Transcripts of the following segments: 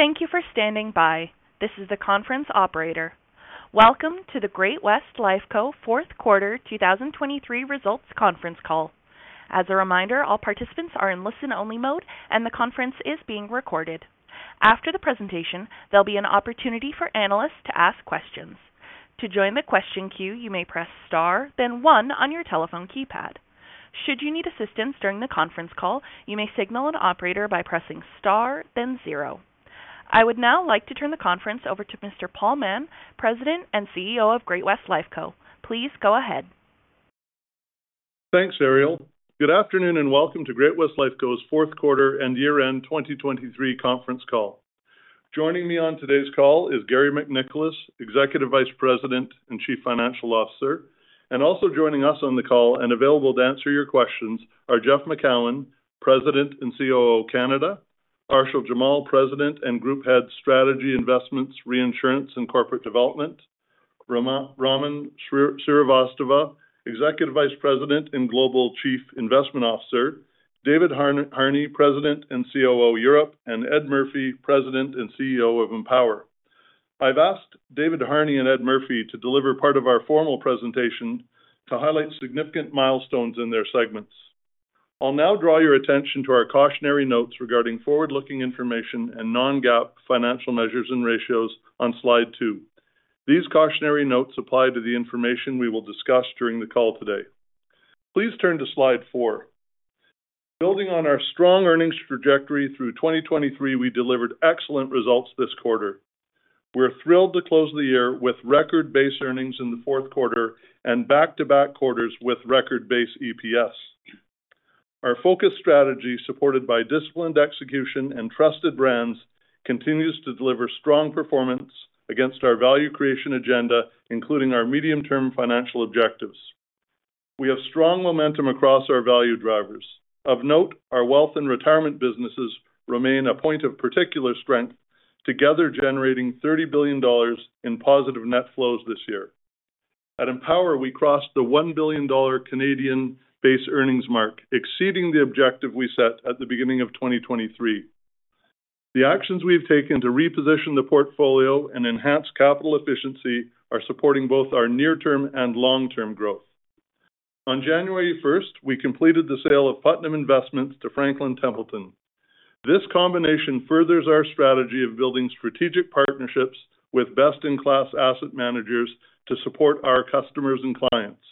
Thank you for standing by. This is the conference operator. Welcome to the Great-West Lifeco Fourth Quarter 2023 Results Conference Call. As a reminder, all participants are in listen-only mode, and the conference is being recorded. After the presentation, there'll be an opportunity for analysts to ask questions. To join the question queue, you may press Star, then one on your telephone keypad. Should you need assistance during the conference call, you may signal an operator by pressing Star, then zero. I would now like to turn the conference over to Mr. Paul Mahon, President and CEO of Great-West Lifeco. Please go ahead. Thanks, Ariel. Good afternoon, and welcome to Great-West Lifeco's fourth quarter and year-end 2023 conference call. Joining me on today's call is Garry MacNicholas, Executive Vice President and Chief Financial Officer, and also joining us on the call and available to answer your questions are Jeff Macoun, President and CEO of Canada; Arshil Jamal, President and Group Head, Strategy, Investments, Reinsurance, and Corporate Development; Raman Srivastava, Executive Vice President and Global Chief Investment Officer; David Harney, President and COO, Europe; and Ed Murphy, President and CEO of Empower. I've asked David Harney and Ed Murphy to deliver part of our formal presentation to highlight significant milestones in their segments. I'll now draw your attention to our cautionary notes regarding forward-looking information and non-GAAP financial measures and ratios on slide two. These cautionary notes apply to the information we will discuss during the call today. Please turn to slide four. Building on our strong earnings trajectory through 2023, we delivered excellent results this quarter. We're thrilled to close the year with record base earnings in the fourth quarter and back-to-back quarters with record base EPS. Our focus strategy, supported by disciplined execution and trusted brands, continues to deliver strong performance against our value creation agenda, including our medium-term financial objectives. We have strong momentum across our value drivers. Of note, our wealth and retirement businesses remain a point of particular strength, together generating $30 billion in positive net flows this year. At Empower, we crossed the 1 billion Canadian dollars base earnings mark, exceeding the objective we set at the beginning of 2023. The actions we've taken to reposition the portfolio and enhance capital efficiency are supporting both our near-term and long-term growth. On January 1st, we completed the sale of Putnam Investments to Franklin Templeton. This combination furthers our strategy of building strategic partnerships with best-in-class asset managers to support our customers and clients.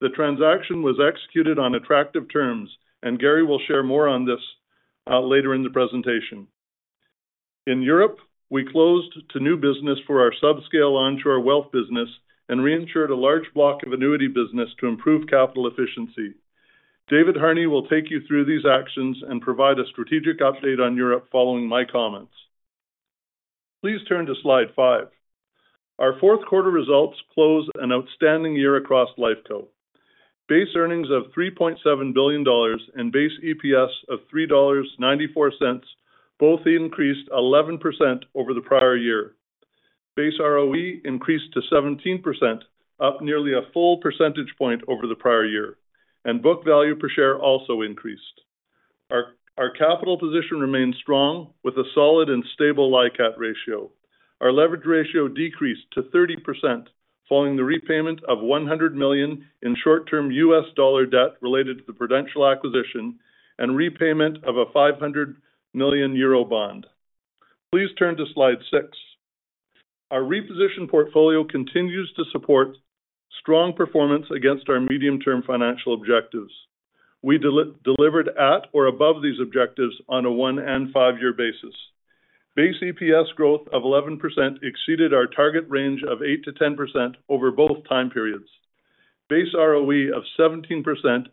The transaction was executed on attractive terms, and Garry will share more on this later in the presentation. In Europe, we closed to new business for our subscale onshore wealth business and reinsured a large block of annuity business to improve capital efficiency. David Harney will take you through these actions and provide a strategic update on Europe following my comments. Please turn to slide five. Our fourth quarter results close an outstanding year across Lifeco. Base earnings of 3.7 billion dollars and base EPS of 3.94 dollars, both increased 11% over the prior year. Base ROE increased to 17%, up nearly a full percentage point over the prior year, and book value per share also increased. Our capital position remains strong, with a solid and stable LICAT ratio. Our leverage ratio decreased to 30%, following the repayment of $100 million in short-term US dollar debt related to the Prudential acquisition and repayment of 500 million euro bond. Please turn to slide six. Our reposition portfolio continues to support strong performance against our medium-term financial objectives. We delivered at or above these objectives on a one and five-year basis. Base EPS growth of 11% exceeded our target range of 8%-10% over both time periods. Base ROE of 17%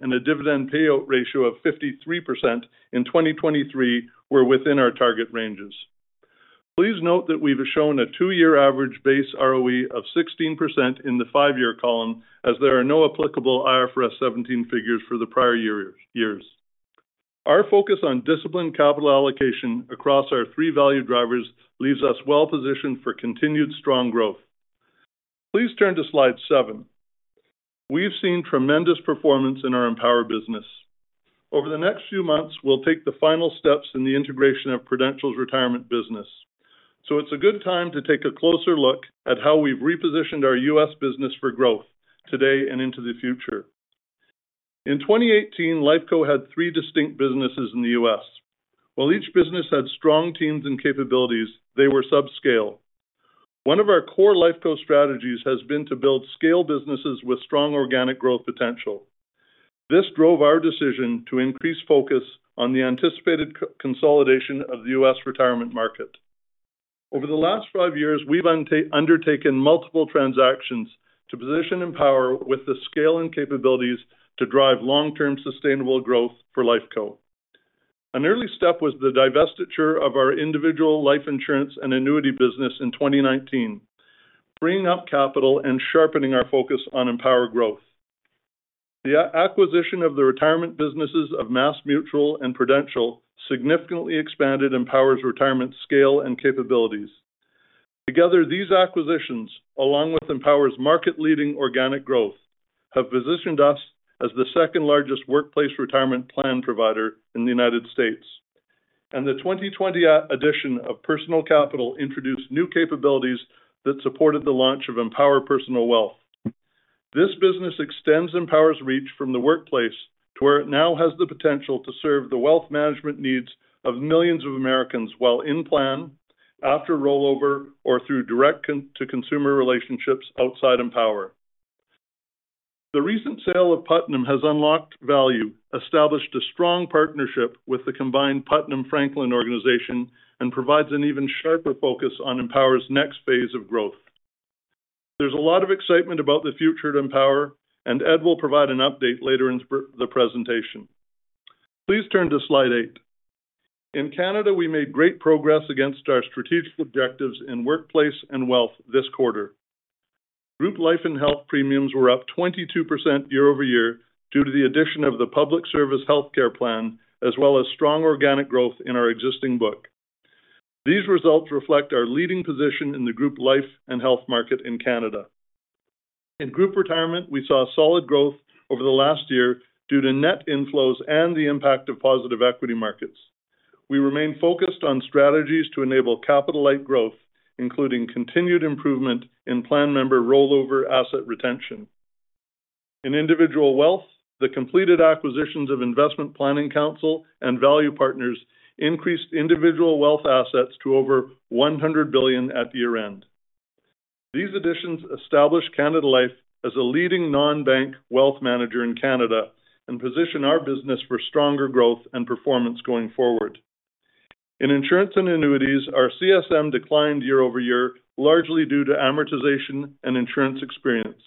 and a dividend payout ratio of 53% in 2023 were within our target ranges. Please note that we've shown a two-year average base ROE of 16% in the five-year column, as there are no applicable IFRS 17 figures for the prior years. Our focus on disciplined capital allocation across our three value drivers leaves us well positioned for continued strong growth. Please turn to slide seven. We've seen tremendous performance in our Empower business. Over the next few months, we'll take the final steps in the integration of Prudential's retirement business. It's a good time to take a closer look at how we've repositioned our U.S. business for growth today and into the future. In 2018, Lifeco had three distinct businesses in the U.S. While each business had strong teams and capabilities, they were subscale. One of our core Lifeco strategies has been to build scale businesses with strong organic growth potential. This drove our decision to increase focus on the anticipated consolidation of the U.S. retirement market. Over the last five years, we've undertaken multiple transactions to position and power with the scale and capabilities to drive long-term sustainable growth for Lifeco. An early step was the divestiture of our individual life insurance and annuity business in 2019, freeing up capital and sharpening our focus on Empower growth. The acquisition of the retirement businesses of MassMutual and Prudential significantly expanded Empower's retirement scale and capabilities. Together, these acquisitions, along with Empower's market-leading organic growth, have positioned us as the second-largest workplace retirement plan provider in the United States. The 2020 addition of Personal Capital introduced new capabilities that supported the launch of Empower Personal Wealth. This business extends Empower's reach from the workplace to where it now has the potential to serve the wealth management needs of millions of Americans while in plan, after rollover, or through direct-to-consumer relationships outside Empower. The recent sale of Putnam has unlocked value, established a strong partnership with the combined Putnam Franklin organization, and provides an even sharper focus on Empower's next phase of growth. There's a lot of excitement about the future at Empower, and Ed will provide an update later in the presentation. Please turn to slide eight. In Canada, we made great progress against our strategic objectives in workplace and wealth this quarter. Group life and health premiums were up 22% year-over-year, due to the addition of the Public Service Health Care Plan, as well as strong organic growth in our existing book. These results reflect our leading position in the group life and health market in Canada. In group retirement, we saw solid growth over the last year due to net inflows and the impact of positive equity markets. We remain focused on strategies to enable capital-light growth, including continued improvement in plan member rollover asset retention. In individual wealth, the completed acquisitions of Investment Planning Counsel and Value Partners increased individual wealth assets to over 100 billion at year-end. These additions establish Canada Life as a leading non-bank wealth manager in Canada and position our business for stronger growth and performance going forward. In insurance and annuities, our CSM declined year over year, largely due to amortization and insurance experience.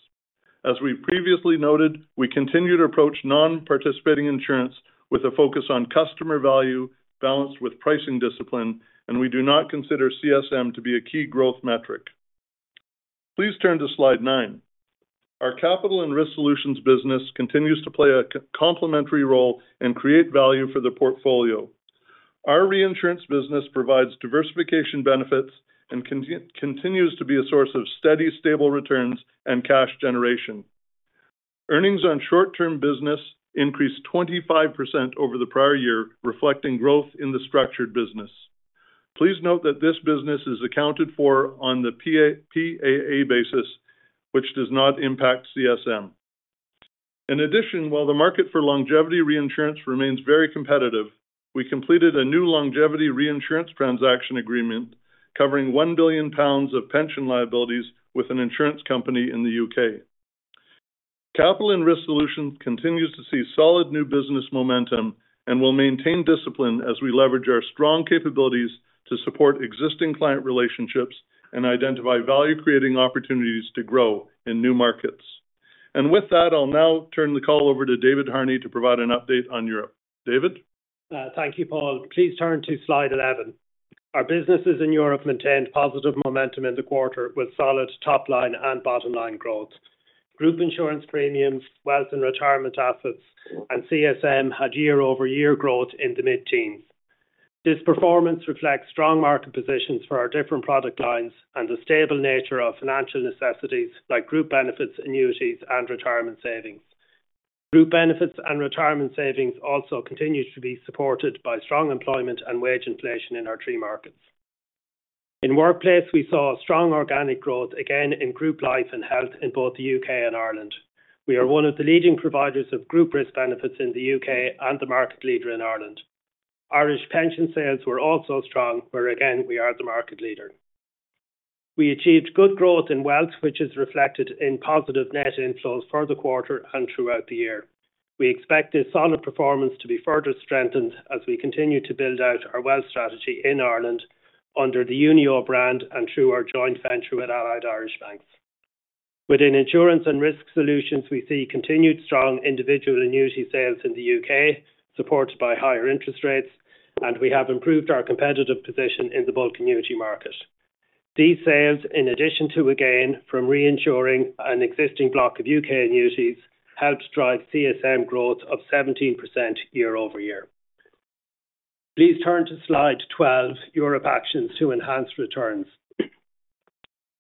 As we previously noted, we continue to approach non-participating insurance with a focus on customer value balanced with pricing discipline, and we do not consider CSM to be a key growth metric. Please turn to slide nine. Our Capital and Risk Solutions business continues to play a complementary role and create value for the portfolio. Our reinsurance business provides diversification benefits and continues to be a source of steady, stable returns and cash generation. Earnings on short-term business increased 25% over the prior year, reflecting growth in the structured business. Please note that this business is accounted for on the PAA basis, which does not impact CSM. In addition, while the market for longevity reinsurance remains very competitive, we completed a new longevity reinsurance transaction agreement covering 1 billion pounds of pension liabilities with an insurance company in the U.K. Capital and Risk Solutions continues to see solid new business momentum and will maintain discipline as we leverage our strong capabilities to support existing client relationships and identify value-creating opportunities to grow in new markets. With that, I'll now turn the call over to David Harney to provide an update on Europe. David? Thank you, Paul. Please turn to slide 11. Our businesses in Europe maintained positive momentum in the quarter, with solid top-line and bottom-line growth. Group insurance premiums, wealth and retirement assets, and CSM had year-over-year growth in the mid-teens. This performance reflects strong market positions for our different product lines and the stable nature of financial necessities like group benefits, annuities, and retirement savings. Group benefits and retirement savings also continues to be supported by strong employment and wage inflation in our three markets. In workplace, we saw strong organic growth, again in group life and health in both the U.K. and Ireland. We are one of the leading providers of group risk benefits in the U.K. and the market leader in Ireland. Irish pension sales were also strong, where again, we are the market leader. We achieved good growth in wealth, which is reflected in positive net inflows for the quarter and throughout the year. We expect this solid performance to be further strengthened as we continue to build out our wealth strategy in Ireland under the Unio brand and through our joint venture with Allied Irish Bank Within insurance and risk solutions, we see continued strong individual annuity sales in the U.K., supported by higher interest rates, and we have improved our competitive position in the bulk annuity market. These sales, in addition to a gain from reinsuring an existing block of U.K. annuities, helped drive CSM growth of 17% year-over-year. Please turn to slide 12, Europe actions to enhance returns.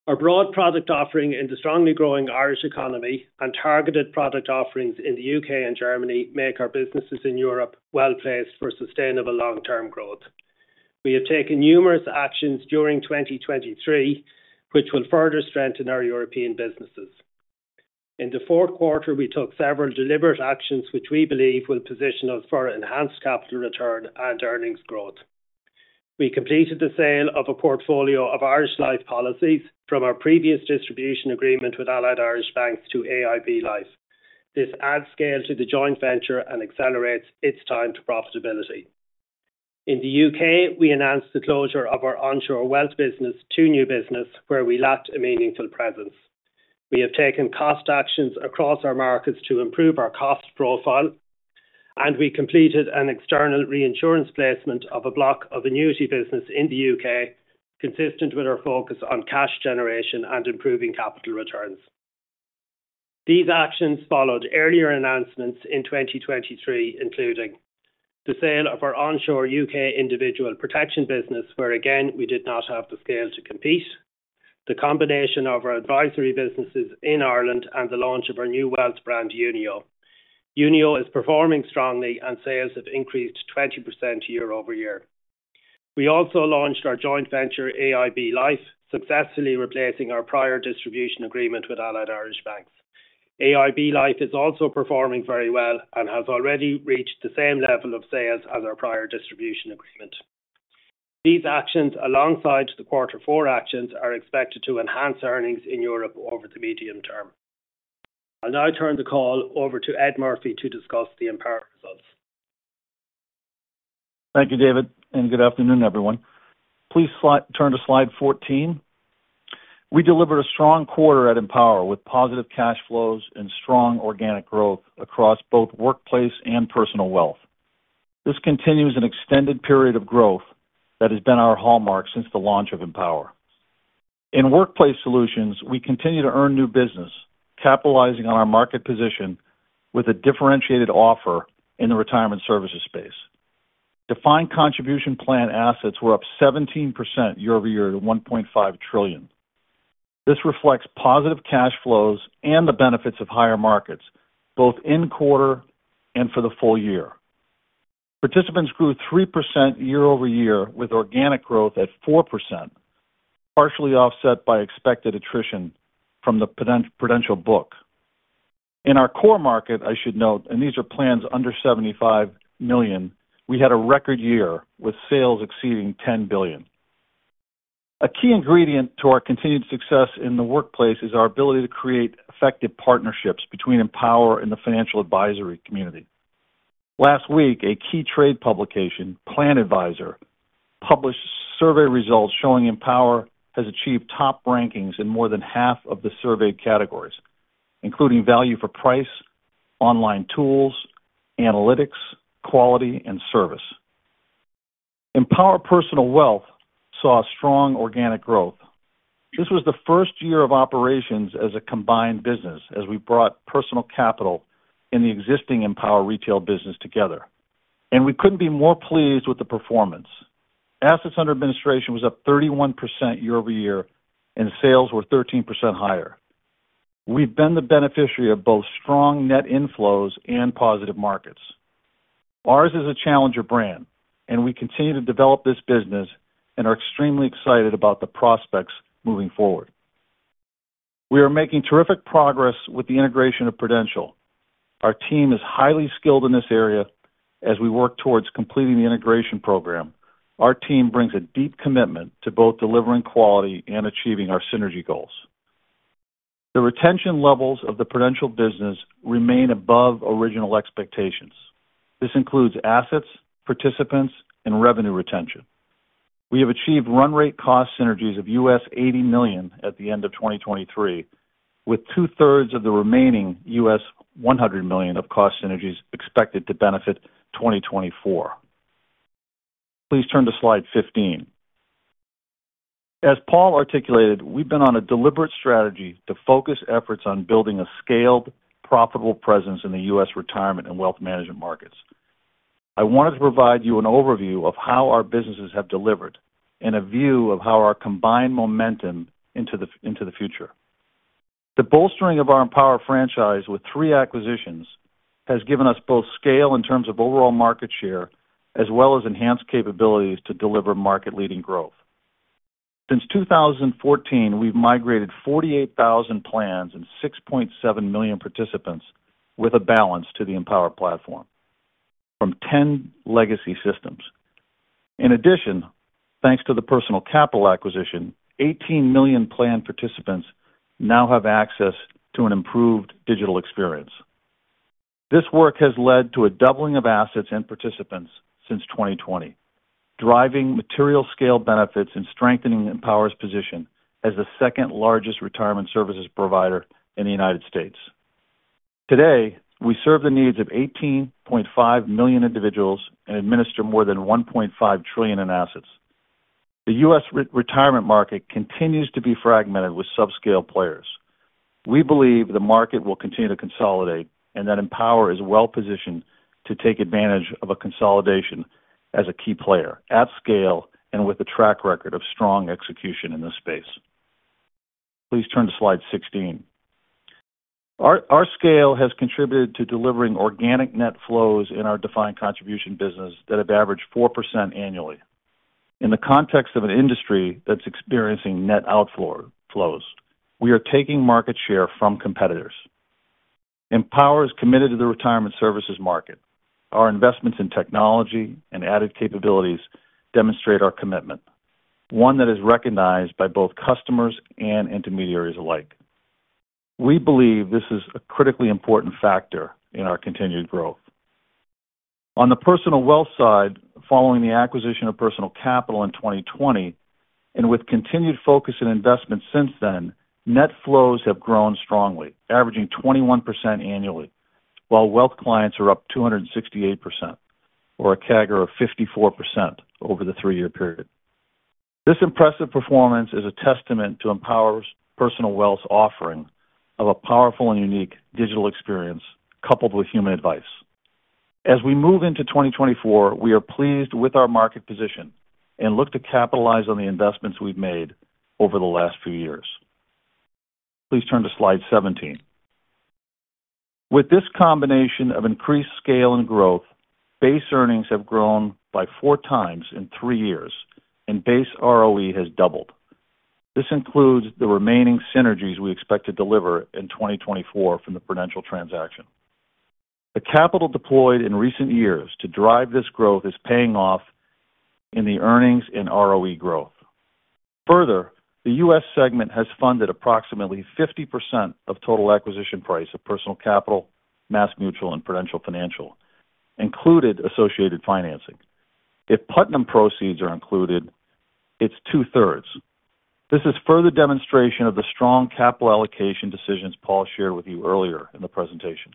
Our broad product offering in the strongly growing Irish economy and targeted product offerings in the U.K. and Germany make our businesses in Europe well-placed for sustainable long-term growth. We have taken numerous actions during 2023, which will further strengthen our European businesses. In the fourth quarter, we took several deliberate actions, which we believe will position us for enhanced capital return and earnings growth. We completed the sale of a portfolio of Irish Life policies from our previous distribution agreement with Allied Irish Bank to AIB Life. This adds scale to the joint venture and accelerates its time to profitability. In the UK, we announced the closure of our onshore wealth business to new business where we lacked a meaningful presence. We have taken cost actions across our markets to improve our cost profile, and we completed an external reinsurance placement of a block of annuity business in the U.K., consistent with our focus on cash generation and improving capital returns.... These actions followed earlier announcements in 2023, including the sale of our onshore U.K. individual protection business, where, again, we did not have the scale to compete, the combination of our advisory businesses in Ireland and the launch of our new wealth brand, Unio. Unio is performing strongly and sales have increased 20% year-over-year. We also launched our joint venture, AIB Life, successfully replacing our prior distribution agreement with Allied Irish Bank. AIB Life is also performing very well and has already reached the same level of sales as our prior distribution agreement. These actions, alongside the quarter four actions, are expected to enhance earnings in Europe over the medium term. I'll now turn the call over to Ed Murphy to discuss the Empower results. Thank you, David, and good afternoon, everyone. Please turn to slide 14. We delivered a strong quarter at Empower with positive cash flows and strong organic growth across both workplace and personal wealth. This continues an extended period of growth that has been our hallmark since the launch of Empower. In workplace solutions, we continue to earn new business, capitalizing on our market position with a differentiated offer in the retirement services space. Defined contribution plan assets were up 17% year-over-year to $1.5 trillion. This reflects positive cash flows and the benefits of higher markets, both in quarter and for the full year. Participants grew 3% year-over-year, with organic growth at 4%, partially offset by expected attrition from the Prudential book. In our core market, I should note, and these are plans under $75 million, we had a record year, with sales exceeding $10 billion. A key ingredient to our continued success in the workplace is our ability to create effective partnerships between Empower and the financial advisory community. Last week, a key trade publication, PLANADVISER, published survey results showing Empower has achieved top rankings in more than half of the surveyed categories, including value for price, online tools, analytics, quality, and service. Empower Personal Wealth saw strong organic growth. This was the first year of operations as a combined business, as we brought Personal Capital in the existing Empower retail business together, and we couldn't be more pleased with the performance. Assets under administration was up 31% year-over-year, and sales were 13% higher. We've been the beneficiary of both strong net inflows and positive markets. Ours is a challenger brand, and we continue to develop this business and are extremely excited about the prospects moving forward. We are making terrific progress with the integration of Prudential. Our team is highly skilled in this area as we work towards completing the integration program. Our team brings a deep commitment to both delivering quality and achieving our synergy goals. The retention levels of the Prudential business remain above original expectations. This includes assets, participants, and revenue retention. We have achieved run rate cost synergies of $80 million at the end of 2023, with 2/3 of the remaining $100 million of cost synergies expected to benefit 2024. Please turn to slide 15. As Paul articulated, we've been on a deliberate strategy to focus efforts on building a scaled, profitable presence in the U.S. retirement and wealth management markets. I wanted to provide you an overview of how our businesses have delivered and a view of how our combined momentum into the future. The bolstering of our Empower franchise with three acquisitions has given us both scale in terms of overall market share, as well as enhanced capabilities to deliver market-leading growth. Since 2014, we've migrated 48,000 plans and 6.7 million participants with a balance to the Empower platform from 10 legacy systems. In addition, thanks to the Personal Capital acquisition, 18 million plan participants now have access to an improved digital experience. This work has led to a doubling of assets and participants since 2020, driving material scale benefits and strengthening Empower's position as the second-largest retirement services provider in the United States. Today, we serve the needs of 18.5 million individuals and administer more than 1.5 trillion in assets. The U.S. retirement market continues to be fragmented with subscale players. We believe the market will continue to consolidate and that Empower is well positioned to take advantage of a consolidation as a key player, at scale and with a track record of strong execution in this space. Please turn to slide 16. Our scale has contributed to delivering organic net flows in our defined contribution business that have averaged 4% annually. In the context of an industry that's experiencing net outflows, we are taking market share from competitors. Empower is committed to the retirement services market. Our investments in technology and added capabilities demonstrate our commitment, one that is recognized by both customers and intermediaries alike. We believe this is a critically important factor in our continued growth. On the personal wealth side, following the acquisition of Personal Capital in 2020, and with continued focus and investment since then, Net Flows have grown strongly, averaging 21% annually, while wealth clients are up 268%, or a CAGR of 54% over the three-year period. This impressive performance is a testament to Empower's personal wealth offering of a powerful and unique digital experience, coupled with human advice. As we move into 2024, we are pleased with our market position and look to capitalize on the investments we've made over the last few years. Please turn to slide 17. With this combination of increased scale and growth, Base Earnings have grown by 4x in three years, and Base ROE has doubled. This includes the remaining synergies we expect to deliver in 2024 from the Prudential transaction. The capital deployed in recent years to drive this growth is paying off in the earnings and ROE growth. Further, the U.S. segment has funded approximately 50% of total acquisition price of Personal Capital, MassMutual, and Prudential Financial, including associated financing. If Putnam proceeds are included, it's 2/3. This is further demonstration of the strong capital allocation decisions Paul shared with you earlier in the presentation.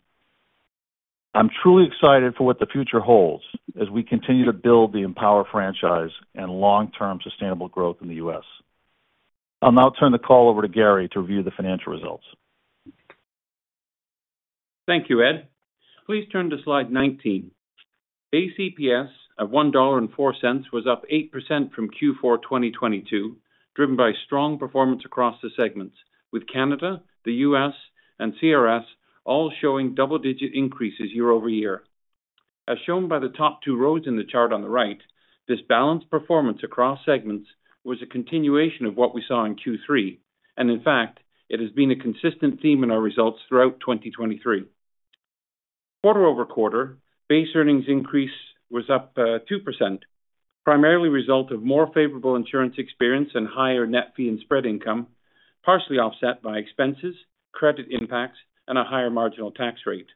I'm truly excited for what the future holds as we continue to build the Empower franchise and long-term sustainable growth in the U.S. I'll now turn the call over to Garry to review the financial results. Thank you, Ed. Please turn to slide 19. ACPS of 1.04 was up 8% from Q4 2022, driven by strong performance across the segments, with Canada, the U.S., and CRS all showing double-digit increases year-over-year. As shown by the top two rows in the chart on the right, this balanced performance across segments was a continuation of what we saw in Q3, and in fact, it has been a consistent theme in our results throughout 2023. Quarter-over-quarter, base earnings increase was up two percent, primarily a result of more favorable insurance experience and higher net fee and spread income, partially offset by expenses, credit impacts, and a higher marginal tax rate.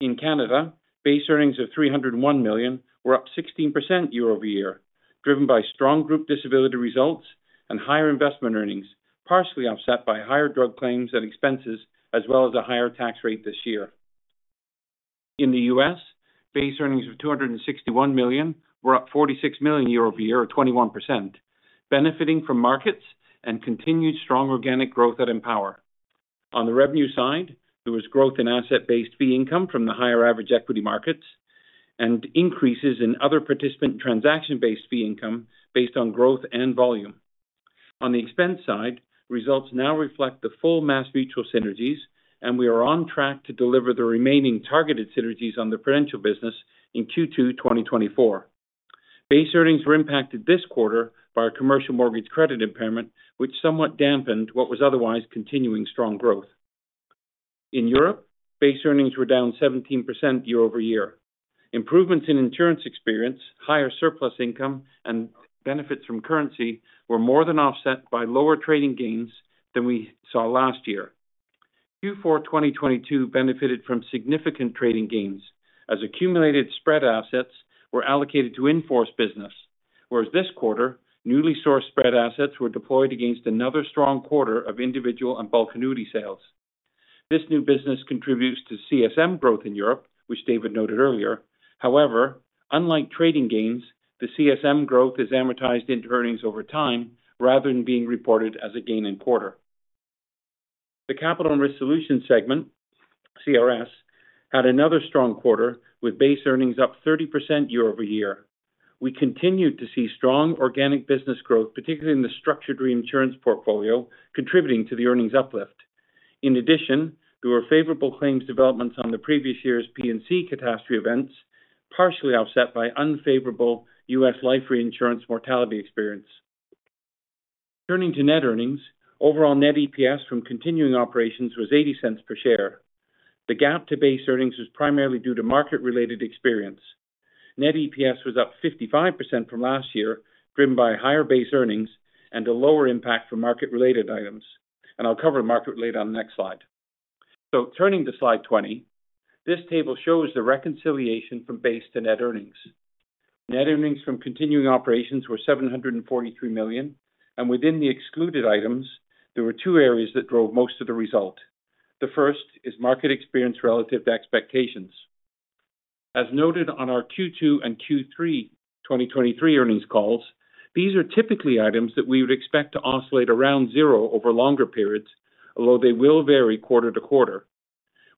In Canada, base earnings of 301 million were up 16% year-over-year, driven by strong group disability results and higher investment earnings, partially offset by higher drug claims and expenses, as well as a higher tax rate this year. In the U.S., base earnings of $261 million were up $46 million year-over-year, or 21%, benefiting from markets and continued strong organic growth at Empower. On the revenue side, there was growth in asset-based fee income from the higher average equity markets and increases in other participant transaction-based fee income based on growth and volume. On the expense side, results now reflect the full MassMutual synergies, and we are on track to deliver the remaining targeted synergies on the Prudential business in Q2 2024. Base earnings were impacted this quarter by our commercial mortgage credit impairment, which somewhat dampened what was otherwise continuing strong growth. In Europe, base earnings were down 17% year-over-year. Improvements in insurance experience, higher surplus income, and benefits from currency were more than offset by lower trading gains than we saw last year. Q4 2022 benefited from significant trading gains as accumulated spread assets were allocated to in-force business, whereas this quarter, newly sourced spread assets were deployed against another strong quarter of individual and bulk annuity sales. This new business contributes to CSM growth in Europe, which David noted earlier. However, unlike trading gains, the CSM growth is amortized into earnings over time rather than being reported as a gain in quarter. The Capital and Risk Solutions segment, CRS, had another strong quarter, with base earnings up 30% year-over-year. We continued to see strong organic business growth, particularly in the structured reinsurance portfolio, contributing to the earnings uplift. In addition, there were favorable claims developments on the previous year's P&C catastrophe events, partially offset by unfavorable U.S. life reinsurance mortality experience. Turning to net earnings, overall net EPS from continuing operations was 0.80 per share. The gap to base earnings was primarily due to market-related experience. Net EPS was up 55% from last year, driven by higher base earnings and a lower impact from market-related items, and I'll cover market-related on the next slide. So turning to slide 20, this table shows the reconciliation from base to net earnings. Net earnings from continuing operations were 743 million, and within the excluded items, there were two areas that drove most of the result. The first is market experience relative to expectations. As noted on our Q2 and Q3 2023 earnings calls, these are typically items that we would expect to oscillate around zero over longer periods, although they will vary quarter to quarter.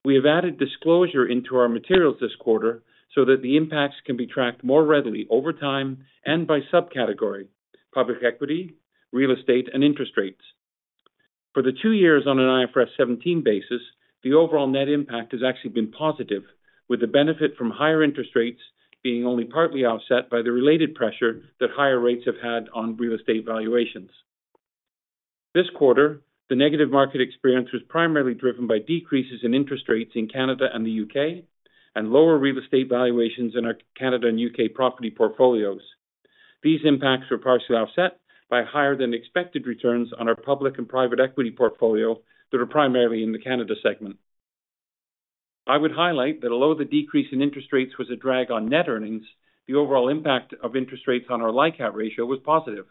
We have added disclosure into our materials this quarter so that the impacts can be tracked more readily over time and by subcategory: public equity, real estate, and interest rates. For the two years on an IFRS 17 basis, the overall net impact has actually been positive, with the benefit from higher interest rates being only partly offset by the related pressure that higher rates have had on real estate valuations. This quarter, the negative market experience was primarily driven by decreases in interest rates in Canada and the UK and lower real estate valuations in our Canada and U.K. property portfolios. These impacts were partially offset by higher-than-expected returns on our public and private equity portfolio that are primarily in the Canada segment. I would highlight that although the decrease in interest rates was a drag on net earnings, the overall impact of interest rates on our LICAT ratio was positive.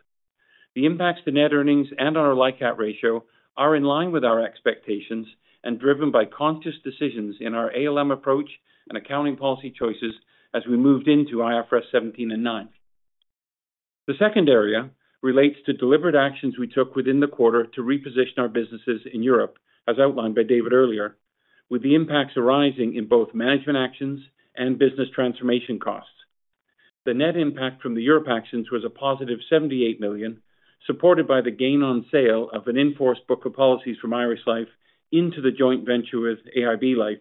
The impacts to net earnings and on our LICAT ratio are in line with our expectations and driven by conscious decisions in our ALM approach and accounting policy choices as we moved into IFRS 17 and 9.... The second area relates to deliberate actions we took within the quarter to reposition our businesses in Europe, as outlined by David earlier, with the impacts arising in both management actions and business transformation costs. The net impact from the Europe actions was a positive 78 million, supported by the gain on sale of an in-force book of policies from Irish Life into the joint venture with AIB Life,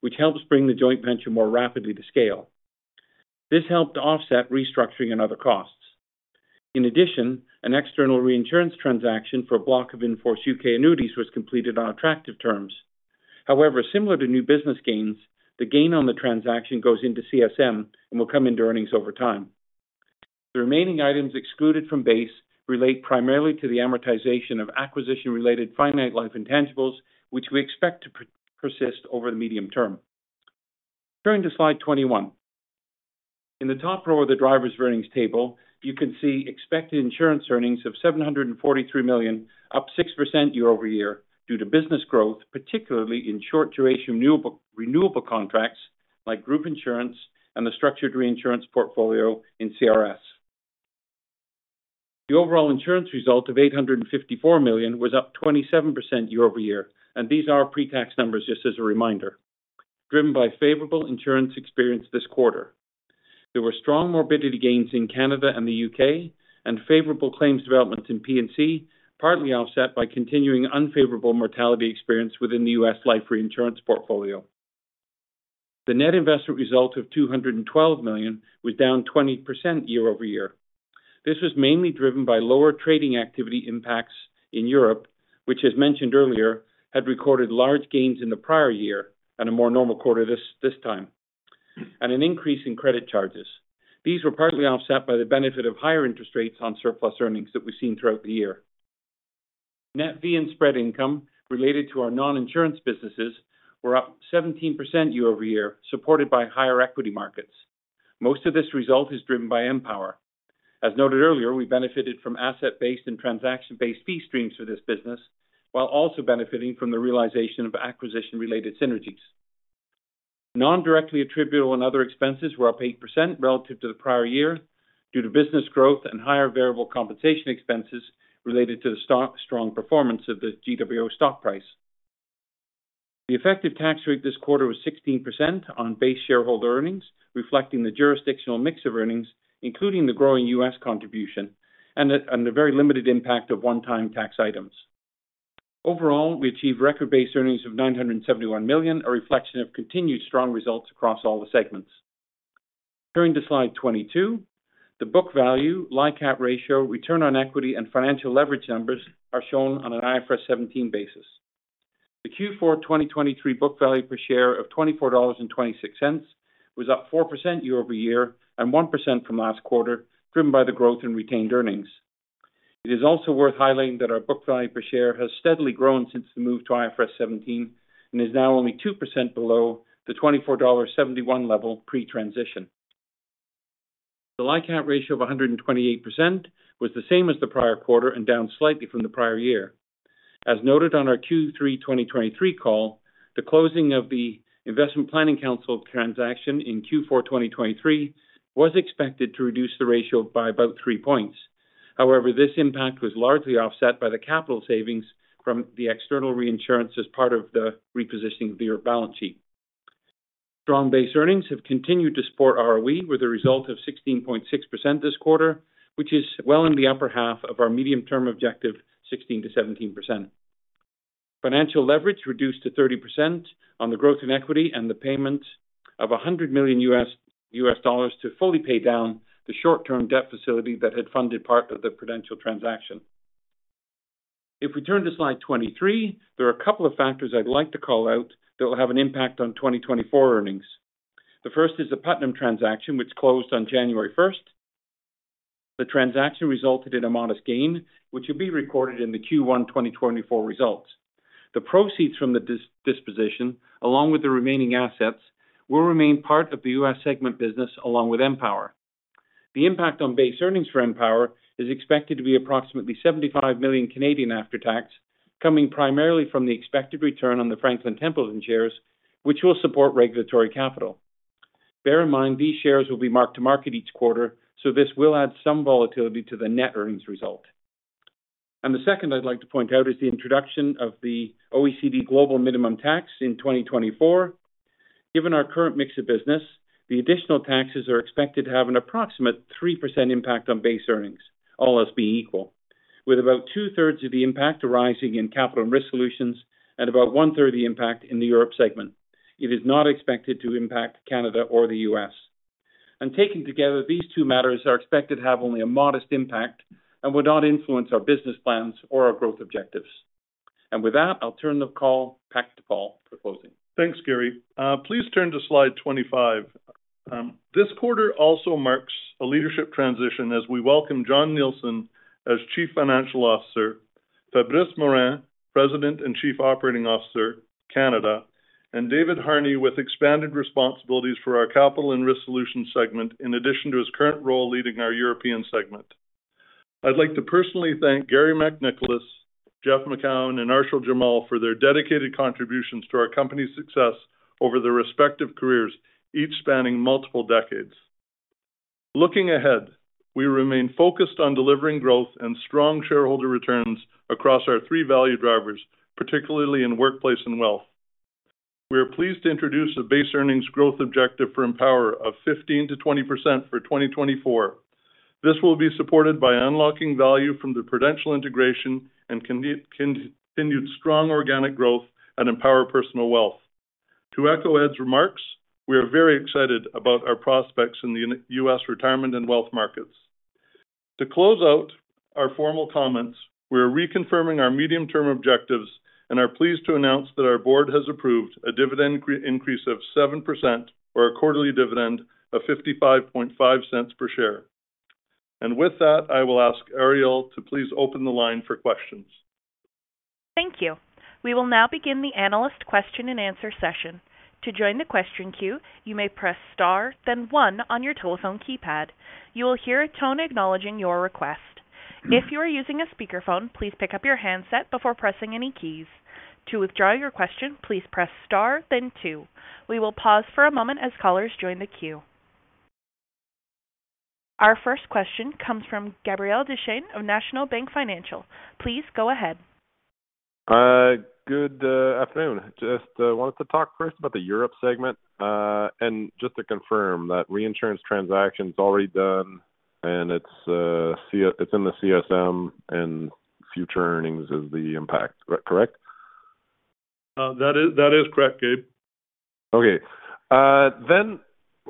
which helps bring the joint venture more rapidly to scale. This helped to offset restructuring and other costs. In addition, an external reinsurance transaction for a block of in-force U.K. annuities was completed on attractive terms. However, similar to new business gains, the gain on the transaction goes into CSM and will come into earnings over time. The remaining items excluded from base relate primarily to the amortization of acquisition-related finite life intangibles, which we expect to persist over the medium term. Turning to slide 21. In the top row of the Drivers of Earnings table, you can see expected insurance earnings of 743 million, up 6% year-over-year, due to business growth, particularly in short duration renewable, renewable contracts like group insurance and the structured reinsurance portfolio in CRS. The overall insurance result of 854 million was up 27% year-over-year, and these are pre-tax numbers, just as a reminder, driven by favorable insurance experience this quarter. There were strong morbidity gains in Canada and the U.K., and favorable claims developments in P&C, partly offset by continuing unfavorable mortality experience within the U.S. life reinsurance portfolio. The net investment result of 212 million was down 20% year-over-year. This was mainly driven by lower trading activity impacts in Europe, which, as mentioned earlier, had recorded large gains in the prior year and a more normal quarter this time, and an increase in credit charges. These were partly offset by the benefit of higher interest rates on surplus earnings that we've seen throughout the year. Net fee and spread income related to our non-insurance businesses were up 17% year-over-year, supported by higher equity markets. Most of this result is driven by Empower. As noted earlier, we benefited from asset-based and transaction-based fee streams for this business, while also benefiting from the realization of acquisition-related synergies. Non-directly attributable and other expenses were up 8% relative to the prior year due to business growth and higher variable compensation expenses related to the stock's strong performance of the GWO stock price. The effective tax rate this quarter was 16% on base shareholder earnings, reflecting the jurisdictional mix of earnings, including the growing U.S. contribution and a very limited impact of one-time tax items. Overall, we achieved record base earnings of CAD 971 million, a reflection of continued strong results across all the segments. Turning to slide 22, the book value, LICAT ratio, return on equity, and financial leverage numbers are shown on an IFRS 17 basis. The Q4 2023 book value per share of 24.26 dollars was up 4% year-over-year, and 1% from last quarter, driven by the growth in retained earnings. It is also worth highlighting that our book value per share has steadily grown since the move to IFRS 17 and is now only 2% below the 24.71 dollar level pre-transition. The LICAT ratio of 128% was the same as the prior quarter and down slightly from the prior year. As noted on our Q3 2023 call, the closing of the Investment Planning Counsel transaction in Q4 2023 was expected to reduce the ratio by about three points. However, this impact was largely offset by the capital savings from the external reinsurance as part of the repositioning of the Europe balance sheet. Strong base earnings have continued to support ROE, with a result of 16.6% this quarter, which is well in the upper half of our medium-term objective, 16%-17%. Financial leverage reduced to 30% on the growth in equity and the payment of $100 million to fully pay down the short-term debt facility that had funded part of the Prudential transaction. If we turn to slide 23, there are a couple of factors I'd like to call out that will have an impact on 2024 earnings. The first is the Putnam transaction, which closed on January 1st. The transaction resulted in a modest gain, which will be recorded in the Q1 2024 results. The proceeds from the disposition, along with the remaining assets, will remain part of the U.S. segment business, along with Empower. The impact on base earnings for Empower is expected to be approximately 75 million after tax, coming primarily from the expected return on the Franklin Templeton shares, which will support regulatory capital. Bear in mind, these shares will be marked to market each quarter, so this will add some volatility to the net earnings result. The second I'd like to point out is the introduction of the OECD Global Minimum Tax in 2024. Given our current mix of business, the additional taxes are expected to have an approximate 3% impact on base earnings, all else being equal, with about 2/3 of the impact arising in Capital and Risk Solutions and about 1/3 of the impact in the Europe segment. It is not expected to impact Canada or the U.S. Taken together, these two matters are expected to have only a modest impact and would not influence our business plans or our growth objectives. With that, I'll turn the call back to Paul for closing. Thanks, Gary. Please turn to slide 25. This quarter also marks a leadership transition as we welcome Jon Nielsen as Chief Financial Officer, Fabrice Morin, President and Chief Operating Officer, Canada, and David Harney, with expanded responsibilities for our Capital and Risk Solutions segment, in addition to his current role leading our European segment. I'd like to personally thank Garry MacNicholas, Jeff Macoun, and Arshil Jamal for their dedicated contributions to our company's success over their respective careers, each spanning multiple decades. Looking ahead, we remain focused on delivering growth and strong shareholder returns across our three value drivers, particularly in workplace and wealth. We are pleased to introduce a base earnings growth objective for Empower of 15%-20% for 2024. This will be supported by unlocking value from the Prudential integration and continued strong organic growth at Empower Personal Wealth. To echo Ed's remarks, we are very excited about our prospects in the U.S. retirement and wealth markets. To close out our formal comments, we are reconfirming our medium-term objectives and are pleased to announce that our board has approved a dividend increase of 7% for a quarterly dividend of 0.555 per share. And with that, I will ask Ariel to please open the line for questions. Thank you. We will now begin the analyst question-and-answer session. To join the question queue, you may press Star, then one on your telephone keypad. You will hear a tone acknowledging your request. If you are using a speakerphone, please pick up your handset before pressing any keys. To withdraw your question, please press Star, then two. We will pause for a moment as callers join the queue. Our first question comes from Gabriel Dechaine of National Bank Financial. Please go ahead. Good afternoon. Just wanted to talk first about the Europe segment. And just to confirm, that reinsurance transaction is already done, and it's in the CSM and future earnings is the impact. Is that correct? That is, that is correct, Gabe. Okay. Then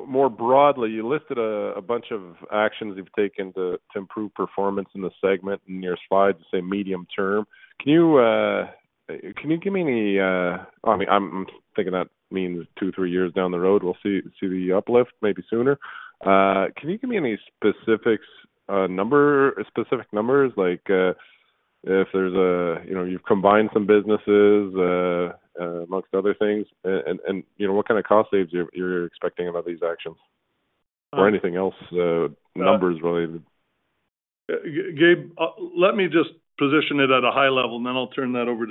more broadly, you listed a bunch of actions you've taken to improve performance in the segment in your slides, say, medium term. Can you give me any... I mean, I'm thinking that means two to three years down the road, we'll see the uplift, maybe sooner. Can you give me any specifics, specific numbers like, if there's a, you know, you've combined some businesses, amongst other things, and you know, what kind of cost saves you're expecting about these actions? Or anything else, numbers related. Gabe, let me just position it at a high level, and then I'll turn that over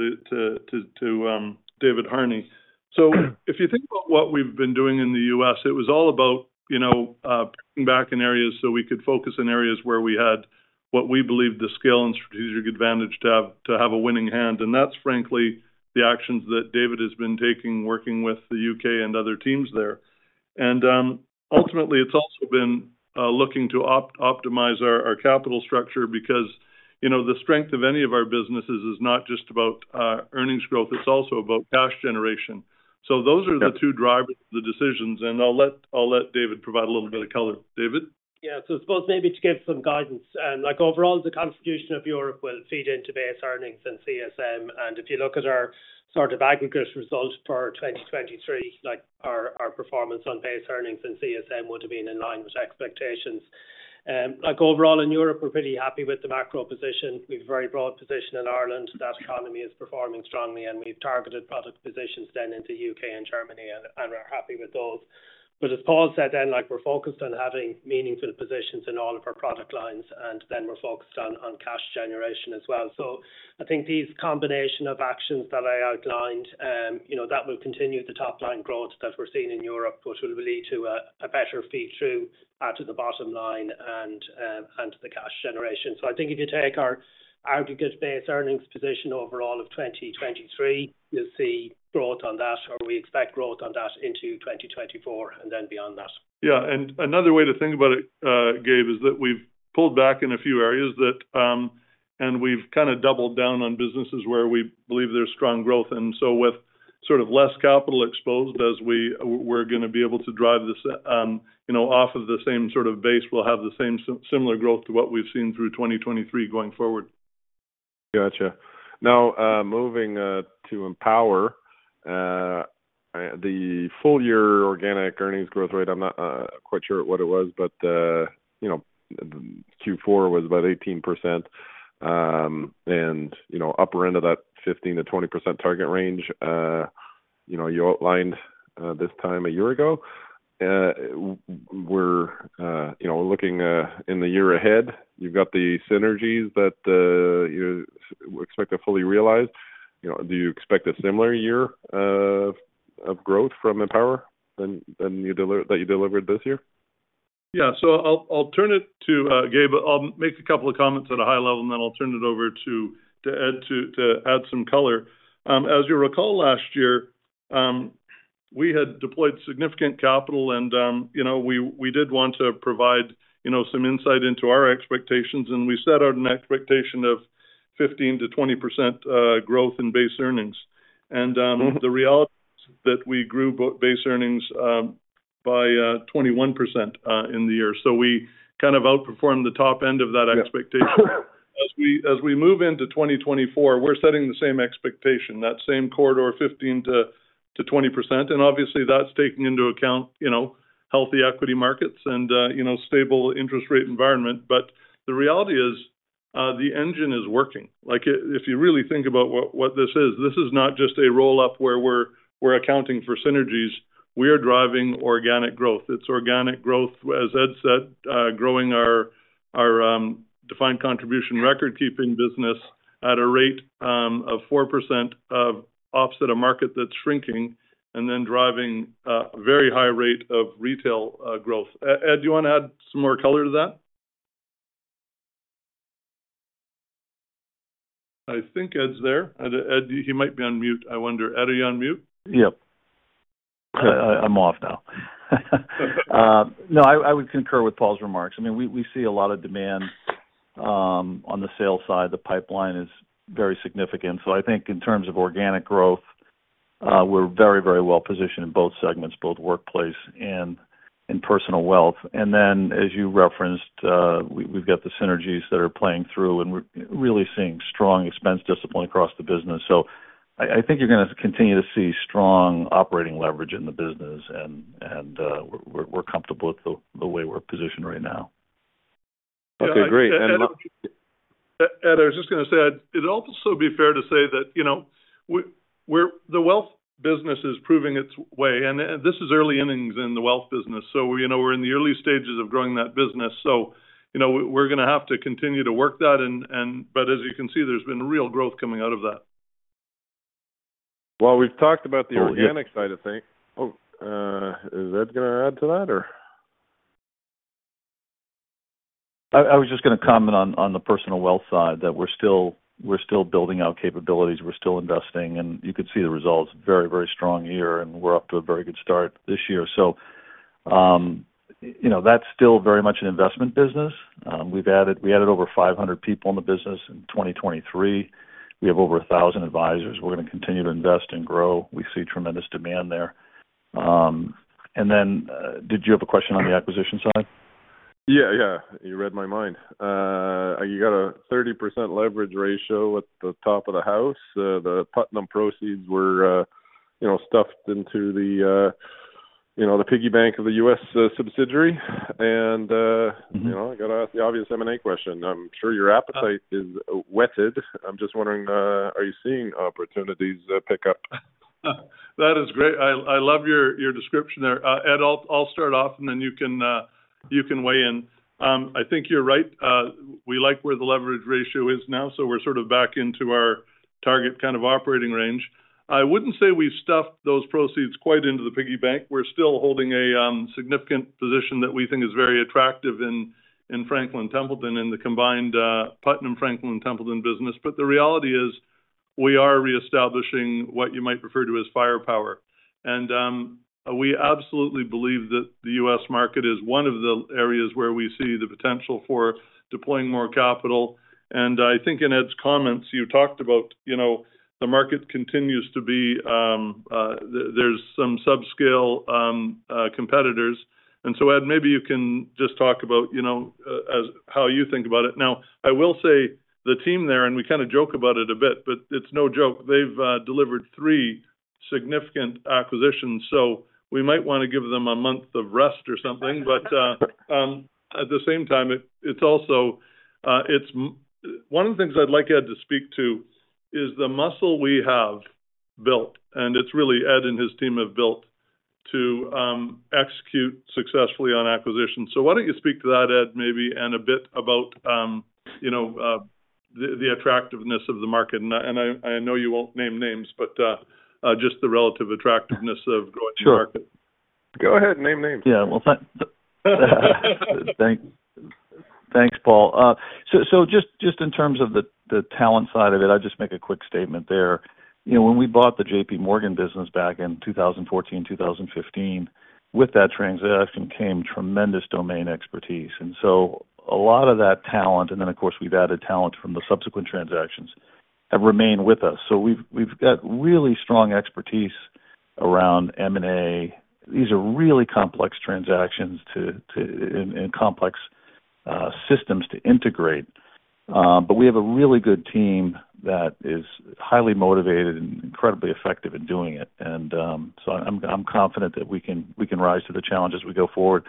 to David Harney. So if you think about what we've been doing in the U.S., it was all about, you know, pulling back in areas so we could focus in areas where we had what we believed the scale and strategic advantage to have a winning hand. And that's frankly the actions that David has been taking, working with the U.K. and other teams there. And ultimately, it's also been looking to optimize our capital structure because, you know, the strength of any of our businesses is not just about earnings growth, it's also about cash generation. So those are the two drivers of the decisions, and I'll let David provide a little bit of color. David? Yeah. So I suppose maybe to give some guidance, and, like, overall, the contribution of Europe will feed into Base Earnings and CSM. And if you look at our sort of aggregate result for 2023, like, our performance on Base Earnings and CSM would have been in line with expectations. Like, overall in Europe, we're pretty happy with the macro position. We've a very broad position in Ireland. That economy is performing strongly, and we've targeted product positions then into U.K. and Germany, and we're happy with those. But as Paul said, then, like, we're focused on having meaningful positions in all of our product lines, and then we're focused on cash generation as well. So I think these combination of actions that I outlined, you know, that will continue the top line growth that we're seeing in Europe, which will lead to a better feed-through to the bottom line and to the cash generation. So I think if you take our aggregate Base Earnings position overall of 2023, you'll see growth on that, or we expect growth on that into 2024, and then beyond that. Yeah, and another way to think about it, Gabe, is that we've pulled back in a few areas that. And we've kinda doubled down on businesses where we believe there's strong growth. And so with sort of less capital exposed, we're gonna be able to drive this, you know, off of the same sort of base, we'll have the same similar growth to what we've seen through 2023 going forward. Gotcha. Now, moving to Empower, the full year organic earnings growth rate, I'm not quite sure what it was, but, you know, Q4 was about 18%, and, you know, upper end of that 15%-20% target range, you know, you outlined this time a year ago. We're, you know, looking in the year ahead, you've got the synergies that you expect to fully realize. You know, do you expect a similar year of growth from Empower than that you delivered this year? Yeah. So I'll turn it to Gabe. I'll make a couple of comments at a high level, and then I'll turn it over to Ed to add some color. As you recall, last year we had deployed significant capital and, you know, we did want to provide you know, some insight into our expectations, and we set out an expectation of 15%-20% growth in base earnings. And the reality is that we grew base earnings by 21% in the year. So we kind of outperformed the top end of that expectation. Yeah. As we move into 2024, we're setting the same expectation, that same corridor, 15%-20%. Obviously, that's taking into account, you know, healthy equity markets and, you know, stable interest rate environment. But the reality is, the engine is working. Like, if you really think about what this is, this is not just a roll-up where we're accounting for synergies. We are driving organic growth. It's organic growth, as Ed said, growing our Defined Contribution record-keeping business at a rate of 4% to offset a market that's shrinking, and then driving a very high rate of retail growth. Ed, do you want to add some more color to that? I think Ed's there. Ed, he might be on mute. I wonder, Ed, are you on mute? Yep. I'm off now. No, I would concur with Paul's remarks. I mean, we see a lot of demand on the sales side. The pipeline is very significant. So I think in terms of organic growth, we're very, very well positioned in both segments, both workplace and in personal wealth. And then, as you referenced, we've got the synergies that are playing through, and we're really seeing strong expense discipline across the business. So I think you're gonna continue to see strong operating leverage in the business, and we're comfortable with the way we're positioned right now. Okay, great. And Ed, I was just gonna say, it'd also be fair to say that, you know, we're the wealth business is proving its way, and this is early innings in the wealth business. So, you know, we're in the early stages of growing that business. So, you know, we're gonna have to continue to work that, and, and but as you can see, there's been real growth coming out of that. Well, we've talked about the organic side of things. Oh, is Ed gonna add to that, or? I was just gonna comment on the personal wealth side, that we're still building out capabilities, we're still investing, and you could see the results, very, very strong year, and we're off to a very good start this year. So, you know, that's still very much an investment business. We've added—we added over 500 people in the business in 2023. We have over 1,000 advisors. We're gonna continue to invest and grow. We see tremendous demand there. And then, did you have a question on the acquisition side? Yeah, yeah, you read my mind. You got a 30% leverage ratio at the top of the house. The Putnam proceeds were, you know, stuffed into the, you know, the piggy bank of the U.S. subsidiary. And- Mm-hmm. You know, I got to ask the obvious M&A question. I'm sure your appetite is whetted. I'm just wondering, are you seeing opportunities pick up? That is great. I love your description there. Ed, I'll start off, and then you can, you can weigh in. I think you're right. We like where the leverage ratio is now, so we're sort of back into our target kind of operating range. I wouldn't say we've stuffed those proceeds quite into the piggy bank. We're still holding a significant position that we think is very attractive in Franklin Templeton, in the combined Putnam Franklin Templeton business. But the reality is, we are reestablishing what you might refer to as firepower. We absolutely believe that the U.S. market is one of the areas where we see the potential for deploying more capital. I think in Ed's comments, you talked about, you know, the market continues to be... There's some subscale competitors. So, Ed, maybe you can just talk about, you know, how you think about it. Now, I will say the team there, and we kind of joke about it a bit, but it's no joke, they've delivered three significant acquisitions, so we might want to give them a month of rest or something. But at the same time, it's also one of the things I'd like Ed to speak to is the muscle we have built, and it's really Ed and his team have built, to execute successfully on acquisitions. So why don't you speak to that, Ed, maybe, and a bit about, you know, the attractiveness of the market? And I know you won't name names, but, just the relative attractiveness of growing the market. Sure. Go ahead, name names. Yeah, well, thanks, Paul. So, just in terms of the talent side of it, I'll just make a quick statement there. You know, when we bought the JPMorgan business back in 2014, 2015, with that transaction came tremendous domain expertise. And so a lot of that talent, and then, of course, we've added talent from the subsequent transactions, have remained with us. So we've got really strong expertise around M&A. These are really complex transactions to and complex systems to integrate. But we have a really good team that is highly motivated and incredibly effective in doing it. And, so I'm confident that we can rise to the challenge as we go forward.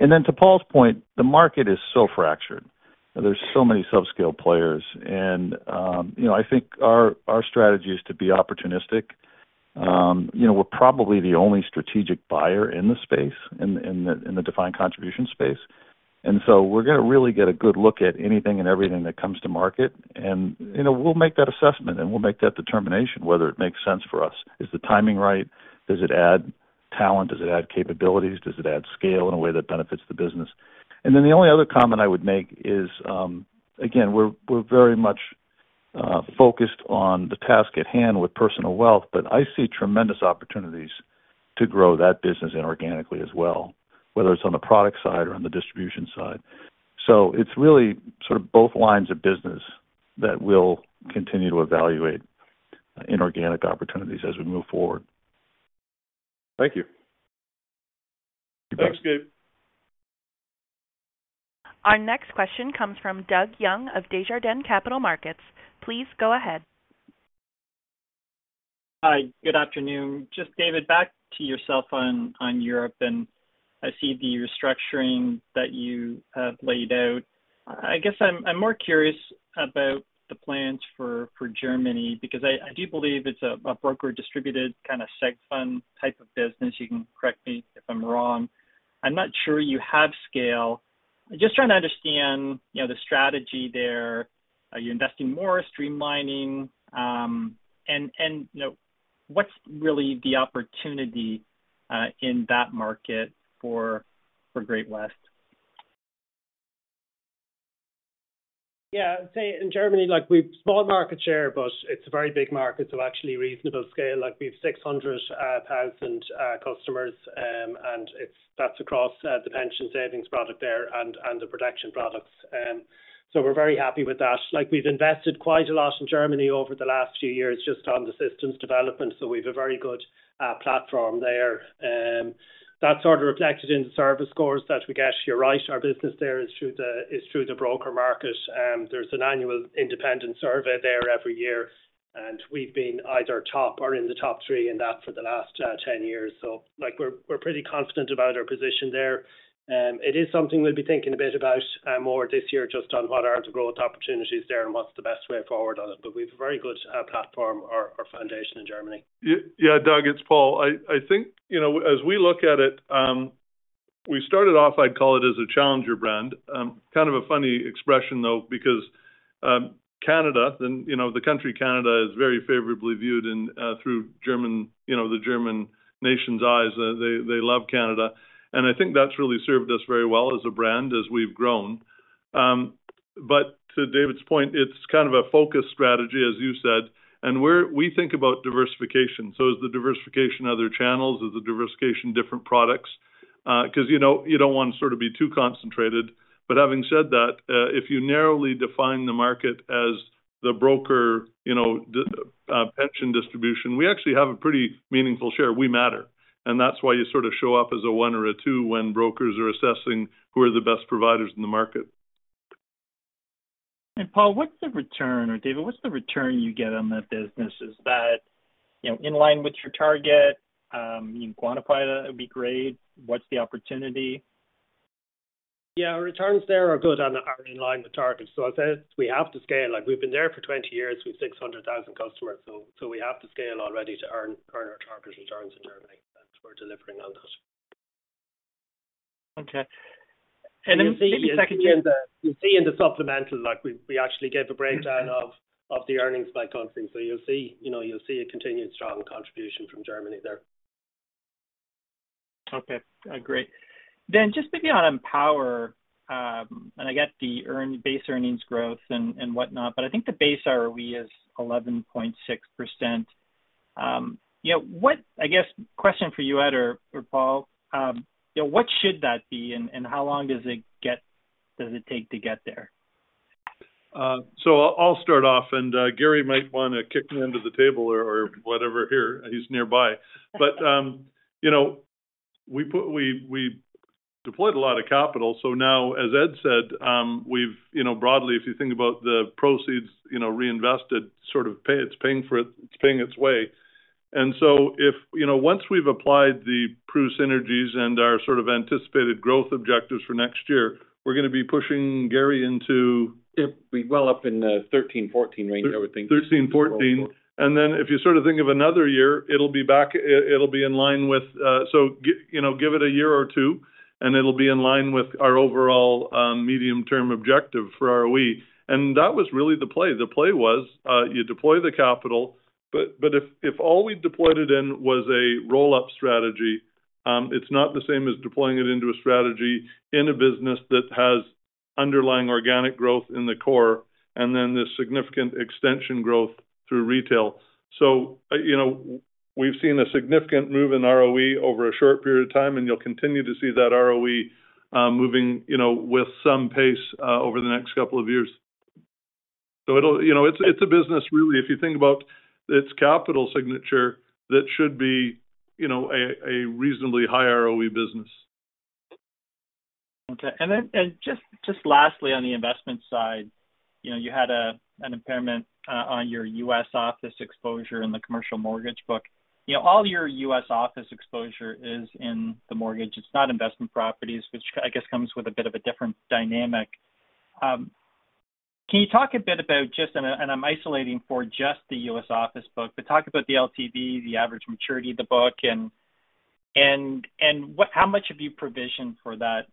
And then, to Paul's point, the market is so fractured, and there's so many subscale players. And, you know, I think our strategy is to be opportunistic. You know, we're probably the only strategic buyer in the space, in the defined contribution space. And so we're gonna really get a good look at anything and everything that comes to market. And, you know, we'll make that assessment, and we'll make that determination, whether it makes sense for us. Is the timing right? Does it add talent? Does it add capabilities? Does it add scale in a way that benefits the business? And then the only other comment I would make is, again, we're very much focused on the task at hand with personal wealth, but I see tremendous opportunities to grow that business inorganically as well, whether it's on the product side or on the distribution side. So it's really sort of both lines of business that we'll continue to evaluate inorganic opportunities as we move forward. Thank you. You bet. Thanks, Gabe. Our next question comes from Doug Young of Desjardins Capital Markets. Please go ahead. Hi, good afternoon. Just David, back to yourself on Europe and. I see the restructuring that you have laid out. I guess I'm more curious about the plans for Germany, because I do believe it's a broker-distributed kind of seg fund type of business. You can correct me if I'm wrong. I'm not sure you have scale. I'm just trying to understand, you know, the strategy there. Are you investing more, streamlining? And, you know, what's really the opportunity in that market for Great-West? Yeah, I'd say in Germany, like, we've small market share, but it's a very big market, so actually reasonable scale. Like, we have 600,000 customers, and that's across the pension savings product there and the protection products. And so we're very happy with that. Like, we've invested quite a lot in Germany over the last few years, just on the systems development, so we've a very good platform there. That's sort of reflected in the service scores that we get. You're right, our business there is through the broker market. There's an annual independent survey there every year, and we've been either top or in the top three in that for the last 10 years. So, like, we're pretty confident about our position there. It is something we'll be thinking a bit about, more this year, just on what are the growth opportunities there and what's the best way forward on it. But we've a very good platform or foundation in Germany. Yeah, Doug, it's Paul. I think, you know, as we look at it, we started off, I'd call it, as a challenger brand. Kind of a funny expression, though, because, Canada, then, you know, the country Canada is very favorably viewed in, through German, you know, the German nation's eyes. They, they love Canada, and I think that's really served us very well as a brand, as we've grown. But to David's point, it's kind of a focus strategy, as you said, and we think about diversification. So is the diversification other channels? Is the diversification different products? Because, you know, you don't want to sort of be too concentrated. But having said that, if you narrowly define the market as the broker, you know, pension distribution, we actually have a pretty meaningful share. We matter, and that's why you sort of show up as a one or a two when brokers are assessing who are the best providers in the market. Paul, what's the return, or, David, what's the return you get on that business? Is that, you know, in line with your target? You can quantify that, it'd be great. What's the opportunity? Yeah, returns there are good and are in line with targets. So I said, we have to scale. Like, we've been there for 20 years with 600,000 customers, so we have to scale already to earn our target returns in Germany, and we're delivering on that. Okay. And then maybe second- You see in the supplemental, like, we actually gave a breakdown of the earnings by country. So you'll see, you know, you'll see a continued strong contribution from Germany there. Okay, great. Then just maybe on Empower, and I get the base earnings growth and whatnot, but I think the Base ROE is 11.6%. Yeah, what... I guess, question for you, Ed or Paul, you know, what should that be and how long does it take to get there? So I'll start off, and Garry might want to kick me under the table or whatever here. He's nearby. But you know, we deployed a lot of capital, so now, as Ed said, we've you know, broadly, if you think about the proceeds, you know, reinvested, sort of pay, it's paying for it, it's paying its way. And so if you know, once we've applied the Prudential synergies and our sort of anticipated growth objectives for next year, we're going to be pushing Garry into- Yep, be well up in the 13%-14% range, I would think. 13%, 14%. And then if you sort of think of another year, it'll be back, it, it'll be in line with, so, you know, give it a year or two, and it'll be in line with our overall, medium-term objective for ROE. And that was really the play. The play was, you deploy the capital, but, but if, if all we deployed it in was a roll-up strategy, it's not the same as deploying it into a strategy in a business that has underlying organic growth in the core and then the significant extension growth through retail. So, you know, we've seen a significant move in ROE over a short period of time, and you'll continue to see that ROE, moving, you know, with some pace, over the next couple of years. So it'll, you know, it's a business, really, if you think about its capital signature, that should be, you know, a reasonably high ROE business. Okay. And then, and just, just lastly on the investment side, you know, you had an impairment on your U.S. office exposure in the commercial mortgage book. You know, all your U.S. office exposure is in the mortgage. It's not investment properties, which I guess comes with a bit of a different dynamic. Can you talk a bit about just... And I'm isolating for just the U.S. office book, but talk about the LTV, the average maturity of the book, and what-how much have you provisioned for that,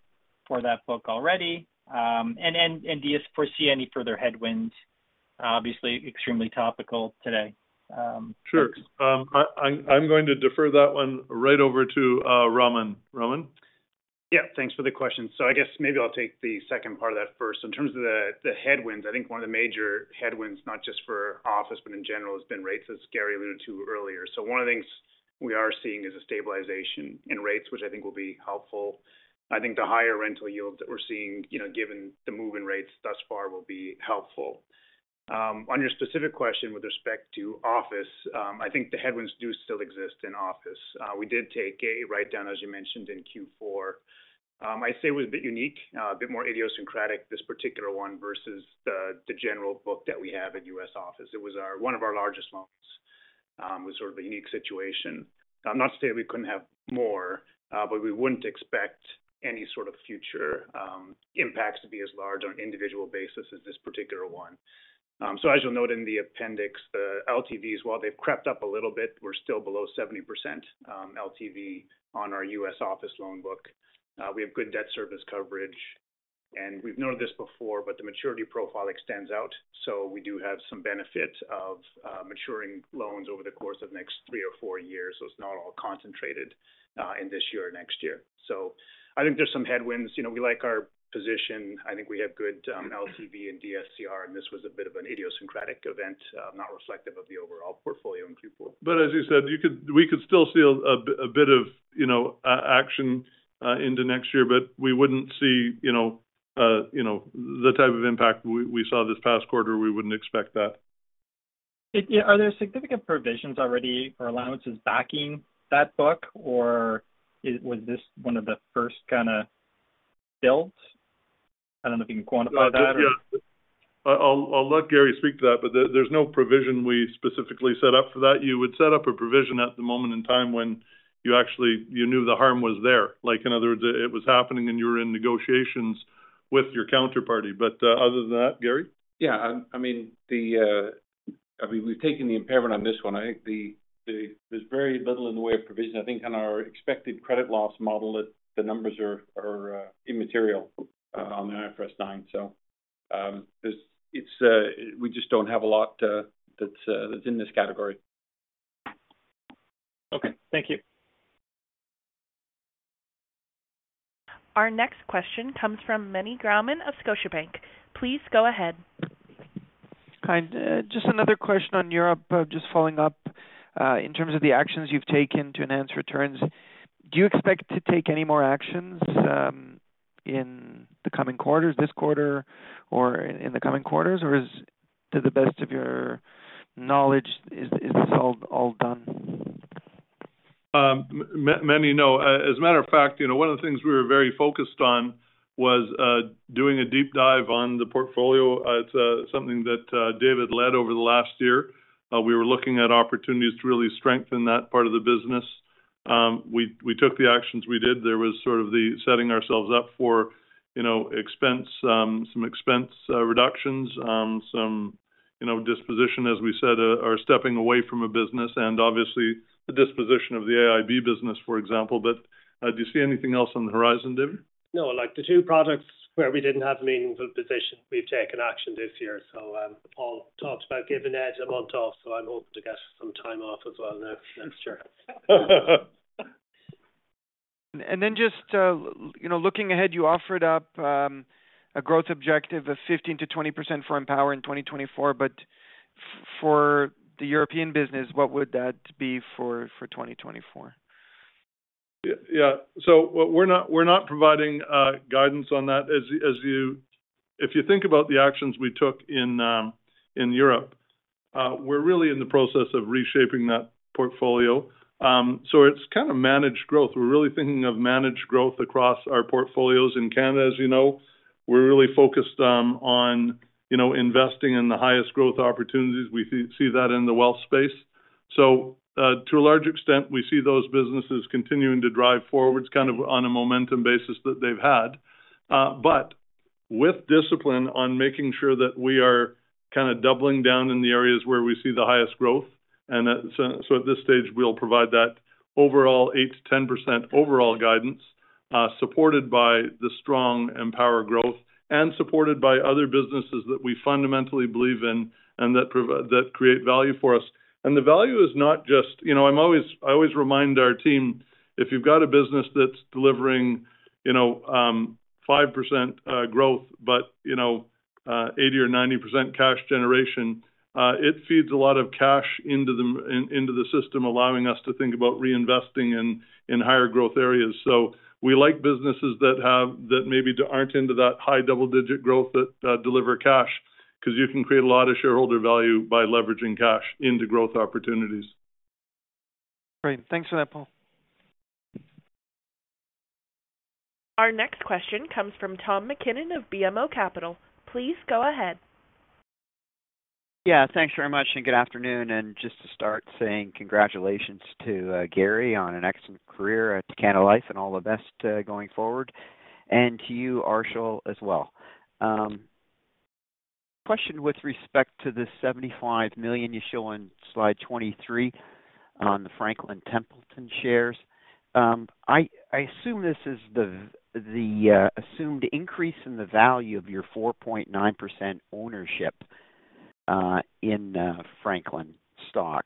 for that book already? And do you foresee any further headwinds, obviously, extremely topical today? Sure. I'm going to defer that one right over to Raman. Raman? Yeah, thanks for the question. So I guess maybe I'll take the second part of that first. In terms of the headwinds, I think one of the major headwinds, not just for office, but in general, has been rates, as Garry alluded to earlier. So one of the things we are seeing is a stabilization in rates, which I think will be helpful. I think the higher rental yield that we're seeing, you know, given the move in rates thus far, will be helpful. On your specific question with respect to office, I think the headwinds do still exist in office. We did take a write-down, as you mentioned, in Q4. I'd say it was a bit unique, a bit more idiosyncratic, this particular one, versus the general book that we have in U.S. office. It was one of our largest loans.... was sort of a unique situation. Not to say we couldn't have more, but we wouldn't expect any sort of future, impacts to be as large on an individual basis as this particular one. So as you'll note in the appendix, the LTVs, while they've crept up a little bit, we're still below 70%, LTV on our U.S. office loan book. We have good debt service coverage, and we've noted this before, but the maturity profile extends out, so we do have some benefit of, maturing loans over the course of the next three or four years. So it's not all concentrated, in this year or next year. So I think there's some headwinds. You know, we like our position. I think we have good LTV and DSCR, and this was a bit of an idiosyncratic event, not reflective of the overall portfolio in Q4. But as you said, you could—we could still see a bit of, you know, action into next year, but we wouldn't see, you know, the type of impact we saw this past quarter. We wouldn't expect that. Yeah. Are there significant provisions already or allowances backing that book, or is- was this one of the first kind of builds? I don't know if you can quantify that or- Yeah. I'll let Garry speak to that, but there's no provision we specifically set up for that. You would set up a provision at the moment in time when you actually knew the harm was there. Like, in other words, it was happening, and you were in negotiations with your counterparty. But other than that, Garry? Yeah, I mean, we've taken the impairment on this one. I think there's very little in the way of provision. I think on our expected credit loss model that the numbers are immaterial on the IFRS 9. So, it's we just don't have a lot that's in this category. Okay, thank you. Our next question comes from Meny Grauman of Scotiabank. Please go ahead. Kind. Just another question on Europe, just following up, in terms of the actions you've taken to enhance returns. Do you expect to take any more actions, in the coming quarters, this quarter or in the coming quarters? Or, to the best of your knowledge, is this all done? Meny, no. As a matter of fact, you know, one of the things we were very focused on was doing a deep dive on the portfolio. It's something that David led over the last year. We were looking at opportunities to really strengthen that part of the business. We took the actions we did. There was sort of the setting ourselves up for, you know, expense, some expense reductions, some, you know, disposition, as we said, are stepping away from a business and obviously the disposition of the AIB business, for example. But do you see anything else on the horizon, David? No, like, the two products where we didn't have a meaningful position, we've taken action this year. So, Paul talked about giving Ed a month off, so I'm hoping to get some time off as well now next year. And then just, you know, looking ahead, you offered up a growth objective of 15%-20% for Empower in 2024, but for the European business, what would that be for 2024? Yeah. So we're not providing guidance on that. As you – if you think about the actions we took in Europe, we're really in the process of reshaping that portfolio. So it's kind of managed growth. We're really thinking of managed growth across our portfolios. In Canada, as you know, we're really focused on, you know, investing in the highest growth opportunities. We see that in the wealth space. So, to a large extent, we see those businesses continuing to drive forward. It's kind of on a momentum basis that they've had, but with discipline on making sure that we are kind of doubling down in the areas where we see the highest growth. So at this stage, we'll provide that overall 8%-10% overall guidance, supported by the strong Empower growth and supported by other businesses that we fundamentally believe in and that create value for us. And the value is not just... You know, I always remind our team, if you've got a business that's delivering, you know, 5% growth, but, you know, 80% or 90% cash generation, it feeds a lot of cash into the system, allowing us to think about reinvesting in higher growth areas. So we like businesses that maybe aren't into that high double-digit growth but deliver cash, because you can create a lot of shareholder value by leveraging cash into growth opportunities. Great. Thanks for that, Paul. Our next question comes from Tom MacKinnon of BMO Capital. Please go ahead. Yeah, thanks very much, and good afternoon. Just to start saying congratulations to Garry on an excellent career at Canada Life, and all the best going forward. To you, Arshil, as well. Question with respect to the 75 million you show on slide 23 on the Franklin Templeton shares. I assume this is the assumed increase in the value of your 4.9% ownership in Franklin stock.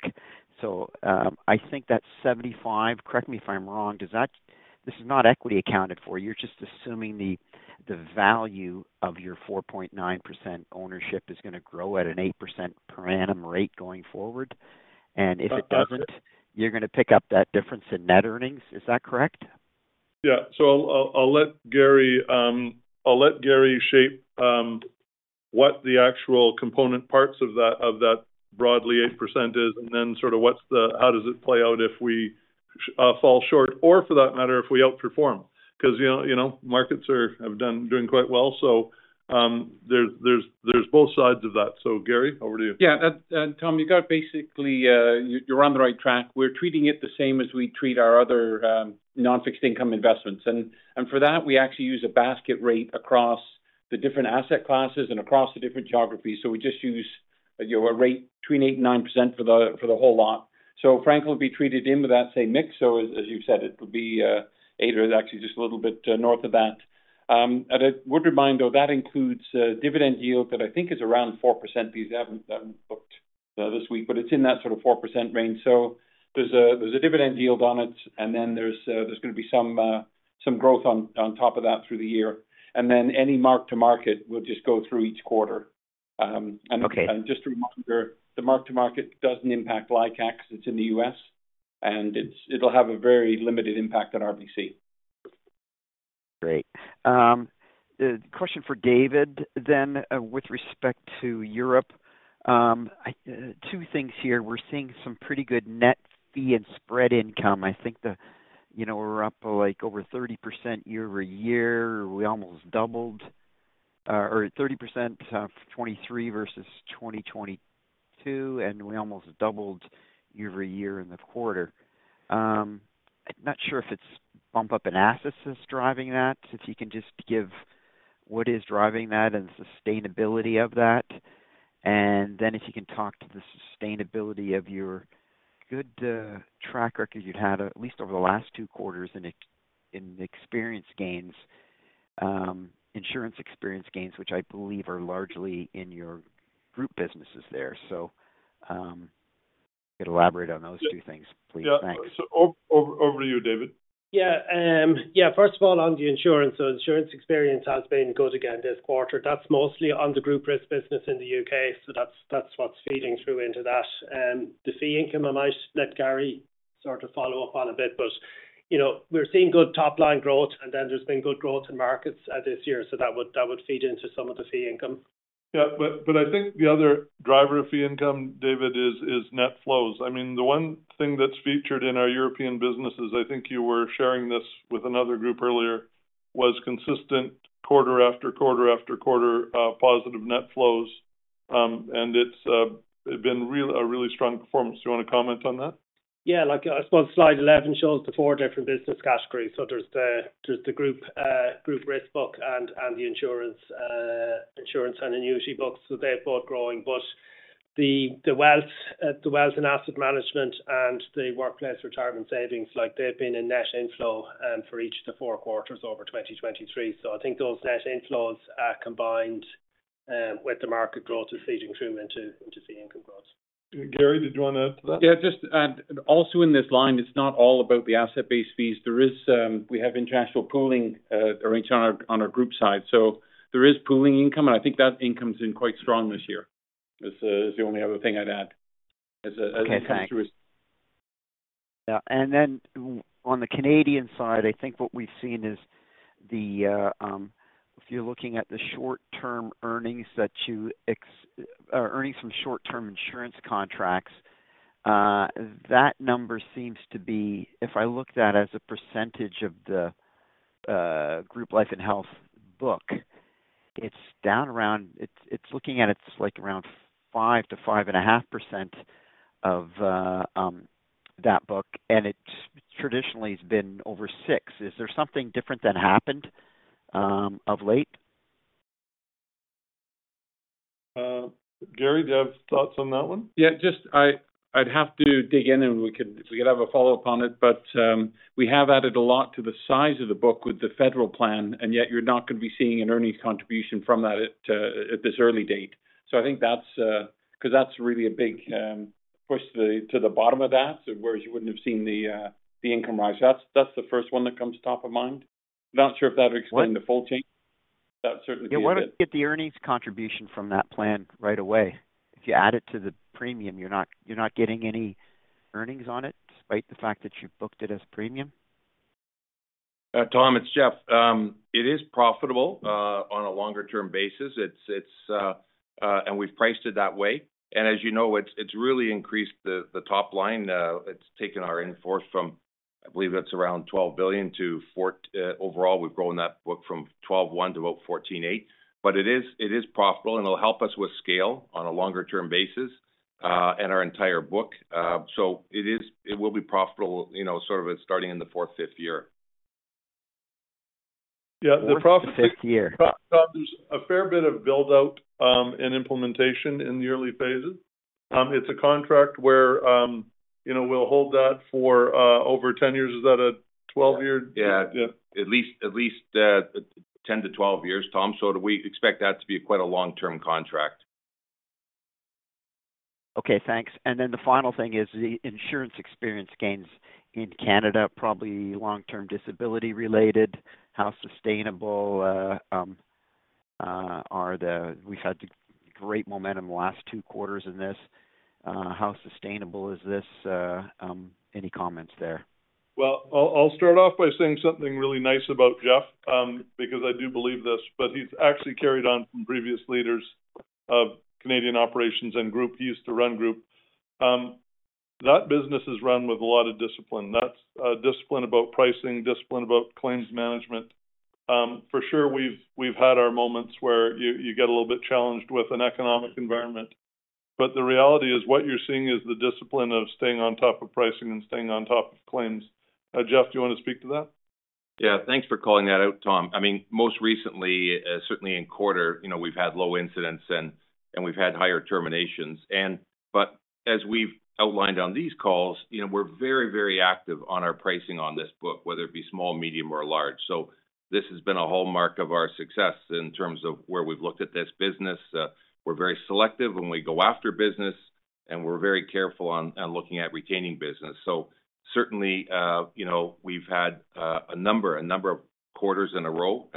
So, I think that 75 million, correct me if I'm wrong, does that—this is not equity accounted for. You're just assuming the value of your 4.9% ownership is going to grow at an 8% per annum rate going forward? And if it doesn't, you're going to pick up that difference in net earnings. Is that correct? Yeah. So I'll let Garry shape what the actual component parts of that, of that broadly 8% is, and then sort of how does it play out if we fall short, or for that matter, if we outperform. 'Cause, you know, you know, markets are doing quite well, so there's both sides of that. So Garry, over to you. Yeah, that, and Tom, you got basically, you're on the right track. We're treating it the same as we treat our other non-fixed income investments. And for that, we actually use a basket rate across the different asset classes and across the different geographies. So we just use, you know, a rate between 8% and 9% for the whole lot. So Franklin will be treated in with that same mix. So as you've said, it would be eight, or actually just a little bit north of that. And I would remind, though, that includes a dividend yield that I think is around 4%, because we haven't booked this week, but it's in that sort of 4% range. So there's a dividend yield on it, and then there's gonna be some growth on top of that through the year. And then any mark-to-market will just go through each quarter. And- Okay. Just a reminder, the mark-to-market doesn't impact LICAT, because it's in the U.S., and it'll have a very limited impact on RBC. Great. The question for David, then, with respect to Europe, I, two things here. We're seeing some pretty good net fee and spread income. I think the, you know, we're up, like, over 30% year-over-year. We almost doubled, or 30%, 2023 versus 2022, and we almost doubled year-over-year in the quarter. I'm not sure if it's bump up in assets that's driving that. If you can just give what is driving that and the sustainability of that. And then if you can talk to the sustainability of your good track record you've had, at least over the last two quarters, in the experience gains, insurance experience gains, which I believe are largely in your group businesses there. So, elaborate on those two things, please. Thanks. Yeah. So over to you, David. Yeah, yeah, first of all, on the insurance, so insurance experience has been good again this quarter. That's mostly on the group risk business in the U.K., so that's, that's what's feeding through into that. The fee income, I might let Gary sort of follow up on a bit, but, you know, we're seeing good top-line growth, and then there's been good growth in markets, this year, so that would, that would feed into some of the fee income. Yeah, but I think the other driver of fee income, David, is net flows. I mean, the one thing that's featured in our European business is, I think you were sharing this with another group earlier, was consistent quarter after quarter after quarter, positive net flows. And it's been a really strong performance. Do you want to comment on that? Yeah, like, I suppose slide 11 shows the four different business categories. So there's the group risk book and the insurance and annuity books. So they're both growing, but the wealth and asset management and the workplace retirement savings, like they've been in net inflow for each of the four quarters over 2023. So I think those net inflows are combined with the market growth is feeding through into the income growth. Garry, did you want to add to that? Yeah, just, and also in this line, it's not all about the asset-based fees. There is, we have international pooling, or on our, on our group side. So there is pooling income, and I think that income's been quite strong this year. It is the only other thing I'd add as it goes through- Okay, thanks. Yeah, and then on the Canadian side, I think what we've seen is the, if you're looking at the earnings from short-term insurance contracts, that number seems to be, if I looked at as a percentage of the group life and health book, it's down around—it's looking at, it's like around 5%-5.5% of that book, and it's traditionally has been over 6%. Is there something different that happened of late? Garry, do you have thoughts on that one? Yeah, just I, I'd have to dig in, and we could, we could have a follow-up on it. But, we have added a lot to the size of the book with the federal plan, and yet you're not going to be seeing an earnings contribution from that at, at this early date. So I think that's, 'cause that's really a big, push to the, to the bottom of that, so whereas you wouldn't have seen the, the income rise. That's, that's the first one that comes top of mind. Not sure if that would explain the full change. That certainly be it. Yeah. Why don't you get the earnings contribution from that plan right away? If you add it to the premium, you're not getting any earnings on it, despite the fact that you've booked it as premium? Tom, it's Jeff. It is profitable on a longer-term basis. It is, and we've priced it that way. And as you know, it's really increased the top line. It's taken our in force from, I believe, it's around 12 billion. Overall, we've grown that book from 12.1 billion to about 14.8 billion. But it is profitable, and it'll help us with scale on a longer-term basis and our entire book. So it will be profitable, you know, sort of starting in the fourth, fifth year. Yeah, the profit- Fifth year. There's a fair bit of build-out, and implementation in the early phases. It's a contract where, you know, we'll hold that for, over 10 years. Is that a 12-year? Yeah. Yeah. At least 10-12 years, Tom, so do we expect that to be quite a long-term contract? Okay, thanks. And then the final thing is the insurance experience gains in Canada, probably long-term disability related. How sustainable are they? We've had great momentum the last two quarters in this. How sustainable is this? Any comments there? Well, I'll start off by saying something really nice about Jeff, because I do believe this, but he's actually carried on from previous leaders of Canadian operations and group. He used to run group. That business is run with a lot of discipline. That's discipline about pricing, discipline about claims management. For sure, we've had our moments where you get a little bit challenged with an economic environment. But the reality is what you're seeing is the discipline of staying on top of pricing and staying on top of claims. Jeff, do you want to speak to that? Yeah, thanks for calling that out, Tom. I mean, most recently, certainly in quarter, you know, we've had low incidents and we've had higher terminations. But as we've outlined on these calls, you know, we're very, very active on our pricing on this book, whether it be small, medium, or large. So this has been a hallmark of our success in terms of where we've looked at this business. We're very selective when we go after business, and we're very careful on looking at retaining business. So certainly, you know, we've had a number, a number of quarters in a row,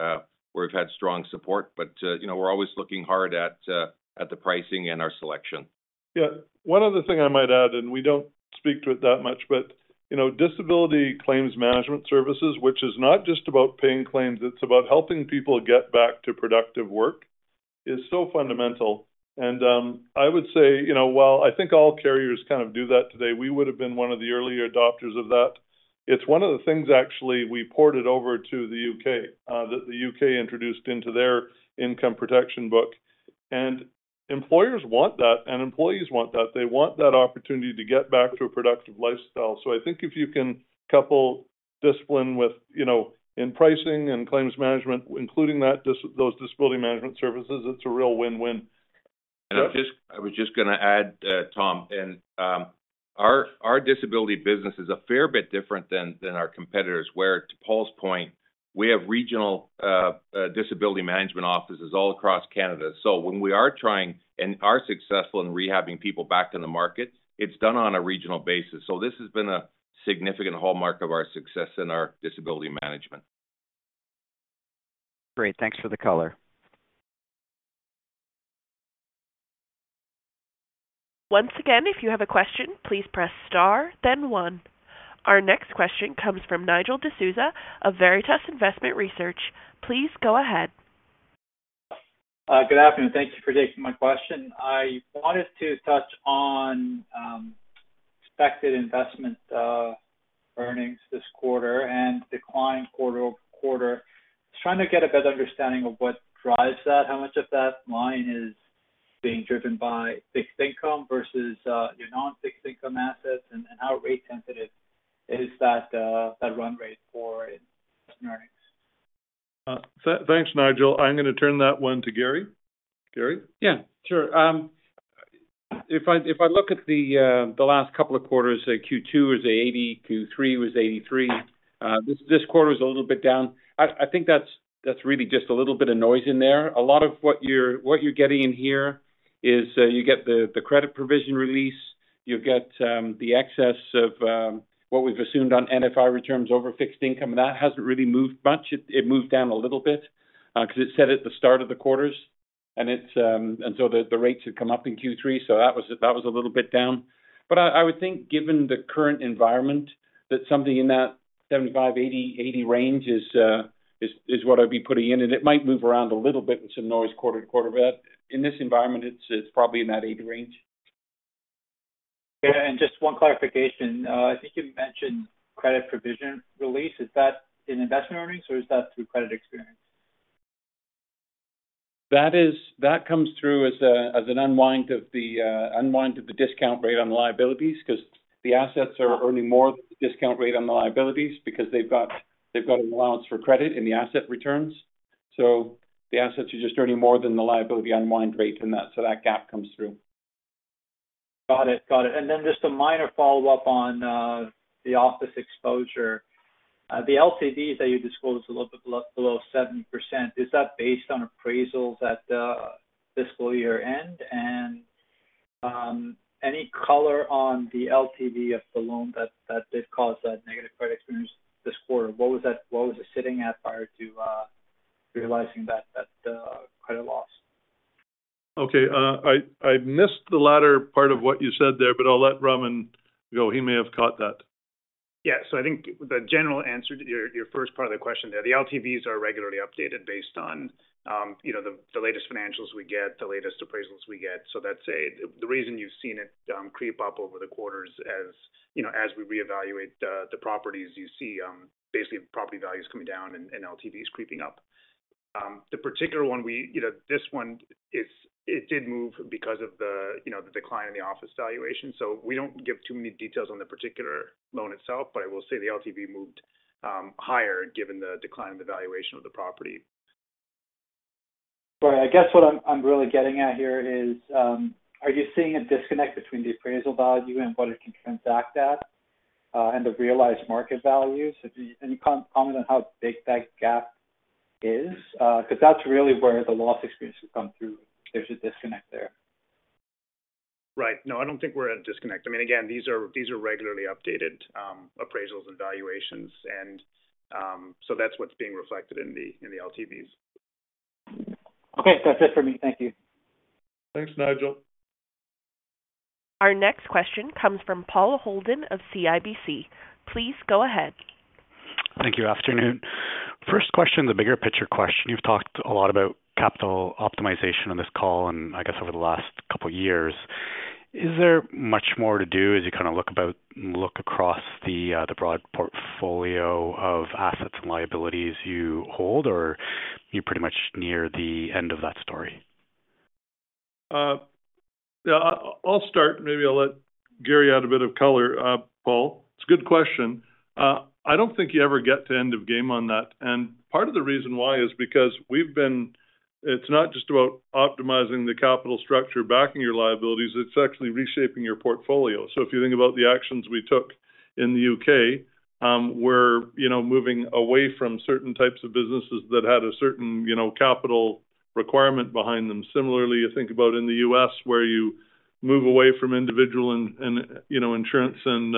where we've had strong support. But, you know, we're always looking hard at the pricing and our selection. Yeah. One other thing I might add, and we don't speak to it that much, but, you know, disability claims management services, which is not just about paying claims, it's about helping people get back to productive work, is so fundamental. And I would say, you know, while I think all carriers kind of do that today, we would have been one of the early adopters of that. It's one of the things, actually, we ported over to the UK, that the UK introduced into their income protection book. And employers want that, and employees want that. They want that opportunity to get back to a productive lifestyle. So I think if you can couple discipline with, you know, in pricing and claims management, including that, those disability management services, it's a real win-win. I was just going to add, Tom, our disability business is a fair bit different than our competitors, where, to Paul's point, we have regional disability management offices all across Canada. So when we are trying and are successful in rehabbing people back in the market, it's done on a regional basis. So this has been a significant hallmark of our success in our disability management. Great, thanks for the color. Once again, if you have a question, please press star, then one. Our next question comes from Nigel D'Souza of Veritas Investment Research. Please go ahead. Good afternoon. Thank you for taking my question. I wanted to touch on expected investment earnings this quarter and decline quarter-over-quarter. Just trying to get a better understanding of what drives that. How much of that line is being driven by fixed income versus your non-fixed income assets, and how rate sensitive is that run rate for investments? Thanks, Nigel. I'm going to turn that one to Garry. Garry? Yeah, sure. If I look at the last couple of quarters, Q2 was 80 million, Q3 was 83 million. This quarter is a little bit down. I think that's really just a little bit of noise in there. A lot of what you're getting in here is you get the credit provision release, you get the excess of what we've assumed on NFI returns over fixed income, and that hasn't really moved much. It moved down a little bit because it set at the start of the quarters, and it's... And so the rates had come up in Q3, so that was a little bit down. But I would think, given the current environment, that something in that 75 million, CAD 80 million, CAD 80 million range is what I'd be putting in, and it might move around a little bit with some noise quarter to quarter, but in this environment, it's probably in that 80 range. Yeah, and just one clarification. I think you mentioned credit provision release. Is that in investment earnings or is that through credit experience? That comes through as a, as an unwind of the unwind of the discount rate on the liabilities, because the assets are earning more discount rate on the liabilities because they've got, they've got an allowance for credit in the asset returns. So the assets are just earning more than the liability unwind rate in that, so that gap comes through. Got it. Got it. And then just a minor follow-up on the office exposure. The LTVs that you disclosed a little bit below 70%, is that based on appraisals at the fiscal year-end? And any color on the LTV of the loan that did cause that negative credit experience this quarter, what was it sitting at prior to realizing that credit loss? Okay, I missed the latter part of what you said there, but I'll let Raman go. He may have caught that. Yeah. So I think the general answer to your, your first part of the question there, the LTVs are regularly updated based on, you know, the, the latest financials we get, the latest appraisals we get. So that's a, the reason you've seen it, creep up over the quarters as, you know, as we reevaluate the, the properties, you see, basically the property values coming down and, and LTVs creeping up. The particular one we-- you know, this one, it's, it did move because of the, you know, the decline in the office valuation. So we don't give too many details on the particular loan itself, but I will say the LTV moved, higher given the decline in the valuation of the property. Right. I guess what I'm really getting at here is, are you seeing a disconnect between the appraisal value and what it can transact at, and the realized market values? If you any comment on how big that gap is? Because that's really where the loss experience will come through. There's a disconnect there. Right. No, I don't think we're at a disconnect. I mean, again, these are, these are regularly updated, appraisals and valuations and, so that's what's being reflected in the, in the LTVs. Okay. That's it for me. Thank you. Thanks, Nigel. Our next question comes from Paul Holden of CIBC. Please go ahead. Thank you. Afternoon. First question, the bigger picture question: You've talked a lot about capital optimization on this call and I guess over the last couple of years. Is there much more to do as you kinda look about - look across the broad portfolio of assets and liabilities you hold, or are you pretty much near the end of that story? Yeah, I'll start. Maybe I'll let Garry add a bit of color. Paul, it's a good question. I don't think you ever get to end of game on that, and part of the reason why is because we've been—it's not just about optimizing the capital structure, backing your liabilities, it's actually reshaping your portfolio. So if you think about the actions we took in the U.K., we're, you know, moving away from certain types of businesses that had a certain, you know, capital requirement behind them. Similarly, you think about in the U.S., where you move away from individual and you know, insurance and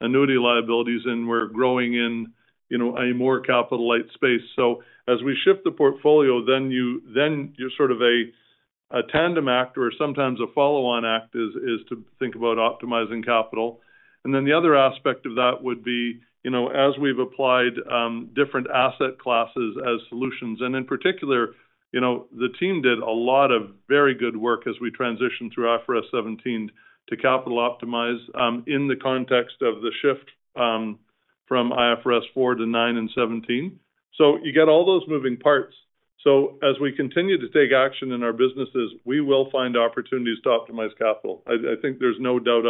annuity liabilities, and we're growing in, you know, a more capital light space. So as we shift the portfolio, then you're sort of a tandem act or sometimes a follow-on act to think about optimizing capital. And then the other aspect of that would be, you know, as we've applied different asset classes as solutions, and in particular, you know, the team did a lot of very good work as we transitioned through IFRS 17 to capital optimize in the context of the shift from IFRS 4 to 9 and 17. So you get all those moving parts. So as we continue to take action in our businesses, we will find opportunities to optimize capital. I think there's no doubt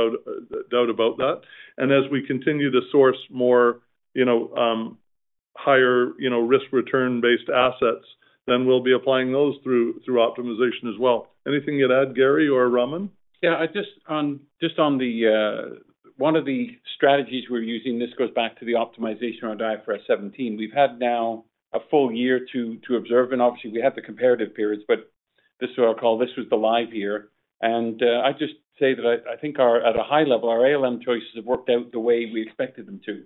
about that. And as we continue to source more, you know, higher risk/return-based assets, then we'll be applying those through optimization as well. Anything you'd add, Garry or Raman? Yeah, just on the one of the strategies we're using, this goes back to the optimization around IFRS 17. We've had now a full year to observe, and obviously, we had the comparative periods, but this is what I call, this was the live year. And I just say that I think our, at a high level, our ALM choices have worked out the way we expected them to.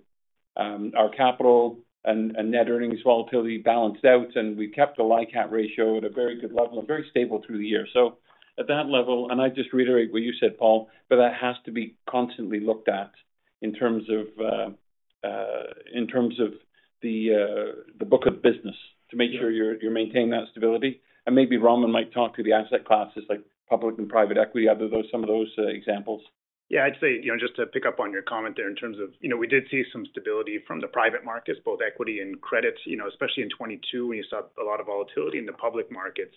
Our capital and net earnings volatility balanced out, and we kept the LICAT ratio at a very good level and very stable through the year. So at that level, and I just reiterate what you said, Paul, but that has to be constantly looked at in terms of the book of business, to make sure you maintain that stability. Maybe Raman might talk to the asset classes like public and private equity, are those some of those examples? Yeah, I'd say, you know, just to pick up on your comment there in terms of, you know, we did see some stability from the private markets, both equity and credits, you know. Especially in 2022, when you saw a lot of volatility in the public markets,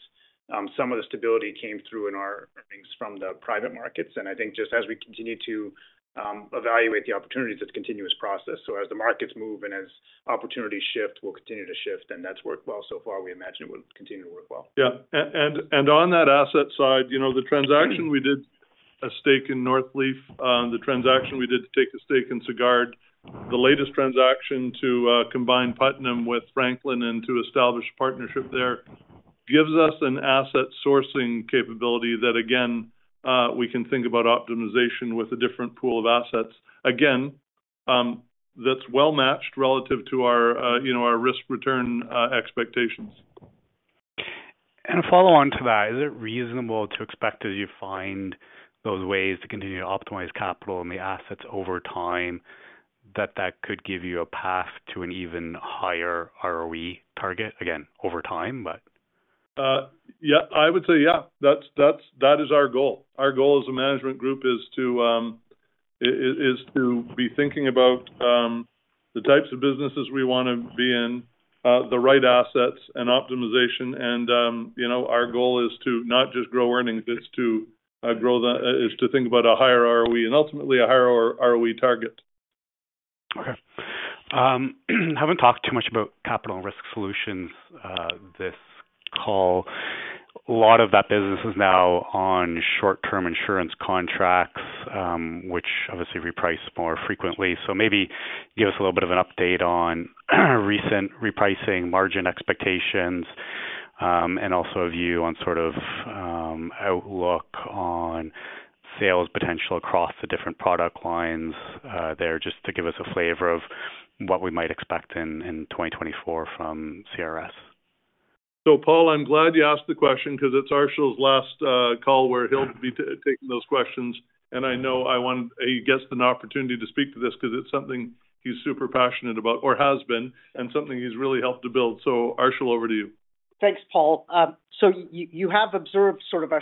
some of the stability came through in our earnings from the private markets. And I think just as we continue to evaluate the opportunities, it's a continuous process. So as the markets move and as opportunities shift, we'll continue to shift, and that's worked well so far. We imagine it would continue to work well. Yeah. And on that asset side, you know, the transaction we did, a stake in Northleaf, the transaction we did to take a stake in Sagard, the latest transaction to combine Putnam with Franklin and to establish a partnership there, gives us an asset sourcing capability that, again, we can think about optimization with a different pool of assets. Again, that's well matched relative to our, you know, our risk/return expectations. And a follow-on to that, is it reasonable to expect, as you find those ways to continue to optimize capital and the assets over time, that that could give you a path to an even higher ROE target? Again, over time, but... Yeah, I would say that is our goal. Our goal as a management group is to be thinking about the types of businesses we want to be in, the right assets and optimization, and, you know, our goal is to not just grow earnings, it's to think about a higher ROE and ultimately a higher ROE target. Okay. Haven't talked too much about Capital and Risk Solutions this call. A lot of that business is now on short-term insurance contracts, which obviously reprice more frequently. So maybe give us a little bit of an update on recent repricing margin expectations, and also a view on sort of outlook on sales potential across the different product lines there, just to give us a flavor of what we might expect in 2024 from CRS. So Paul, I'm glad you asked the question because it's Arshil's last call, where he'll be taking those questions. And I know I want, I guess, an opportunity to speak to this because it's something he's super passionate about or has been, and something he's really helped to build. So, Arshil, over to you. Thanks, Paul. So you have observed sort of a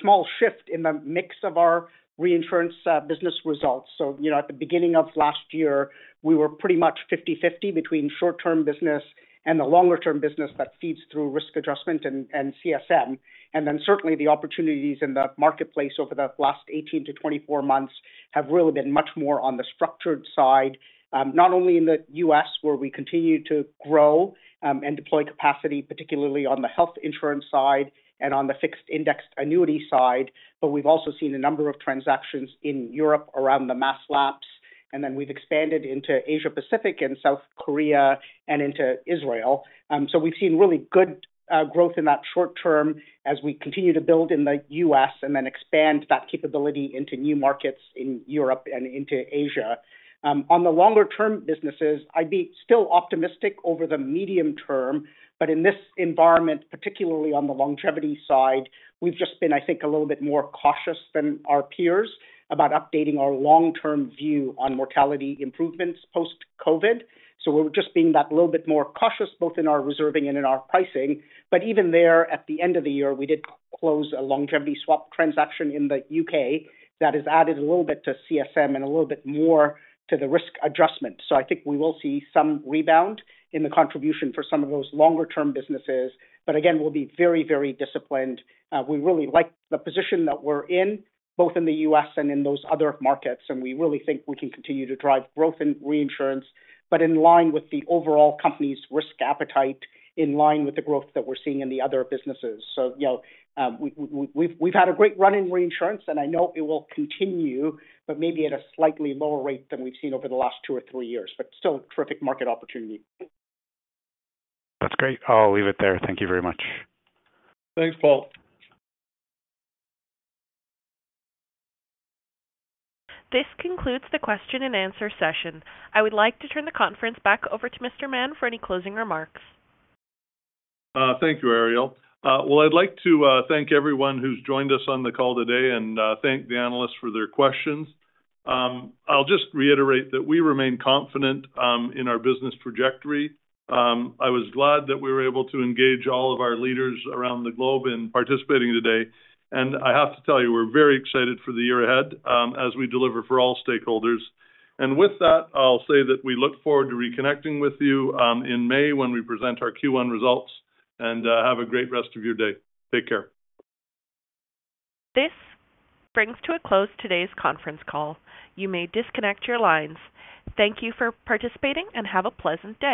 small shift in the mix of our reinsurance business results. So, you know, at the beginning of last year, we were pretty much 50/50 between short-term business and the longer-term business that feeds through risk adjustment and CSM. And then certainly the opportunities in the marketplace over the last 18-24 months have really been much more on the structured side, not only in the U.S., where we continue to grow and deploy capacity, particularly on the health insurance side and on the fixed indexed annuity side, but we've also seen a number of transactions in Europe around the mass lapse, and then we've expanded into Asia-Pacific and South Korea and into Israel. So we've seen really good growth in that short term as we continue to build in the U.S. and then expand that capability into new markets in Europe and into Asia. On the longer-term businesses, I'd be still optimistic over the medium term, but in this environment, particularly on the longevity side, we've just been, I think, a little bit more cautious than our peers about updating our long-term view on mortality improvements post-COVID. So we're just being that little bit more cautious, both in our reserving and in our pricing. But even there, at the end of the year, we did close a longevity swap transaction in the U.K. that has added a little bit to CSM and a little bit more to the risk adjustment. So I think we will see some rebound in the contribution for some of those longer-term businesses, but again, we'll be very, very disciplined. We really like the position that we're in, both in the U.S. and in those other markets, and we really think we can continue to drive growth in reinsurance, but in line with the overall company's risk appetite, in line with the growth that we're seeing in the other businesses. So, you know, we've had a great run in reinsurance, and I know it will continue, but maybe at a slightly lower rate than we've seen over the last two or three years, but still a terrific market opportunity. That's great. I'll leave it there. Thank you very much. Thanks, Paul. This concludes the question and answer session. I would like to turn the conference back over to Mr. Mahon for any closing remarks. Thank you, Ariel. Well, I'd like to thank everyone who's joined us on the call today, and thank the analysts for their questions. I'll just reiterate that we remain confident in our business trajectory. I was glad that we were able to engage all of our leaders around the globe in participating today. And I have to tell you, we're very excited for the year ahead, as we deliver for all stakeholders. And with that, I'll say that we look forward to reconnecting with you in May, when we present our Q1 results. And have a great rest of your day. Take care. This brings to a close today's conference call. You may disconnect your lines. Thank you for participating, and have a pleasant day.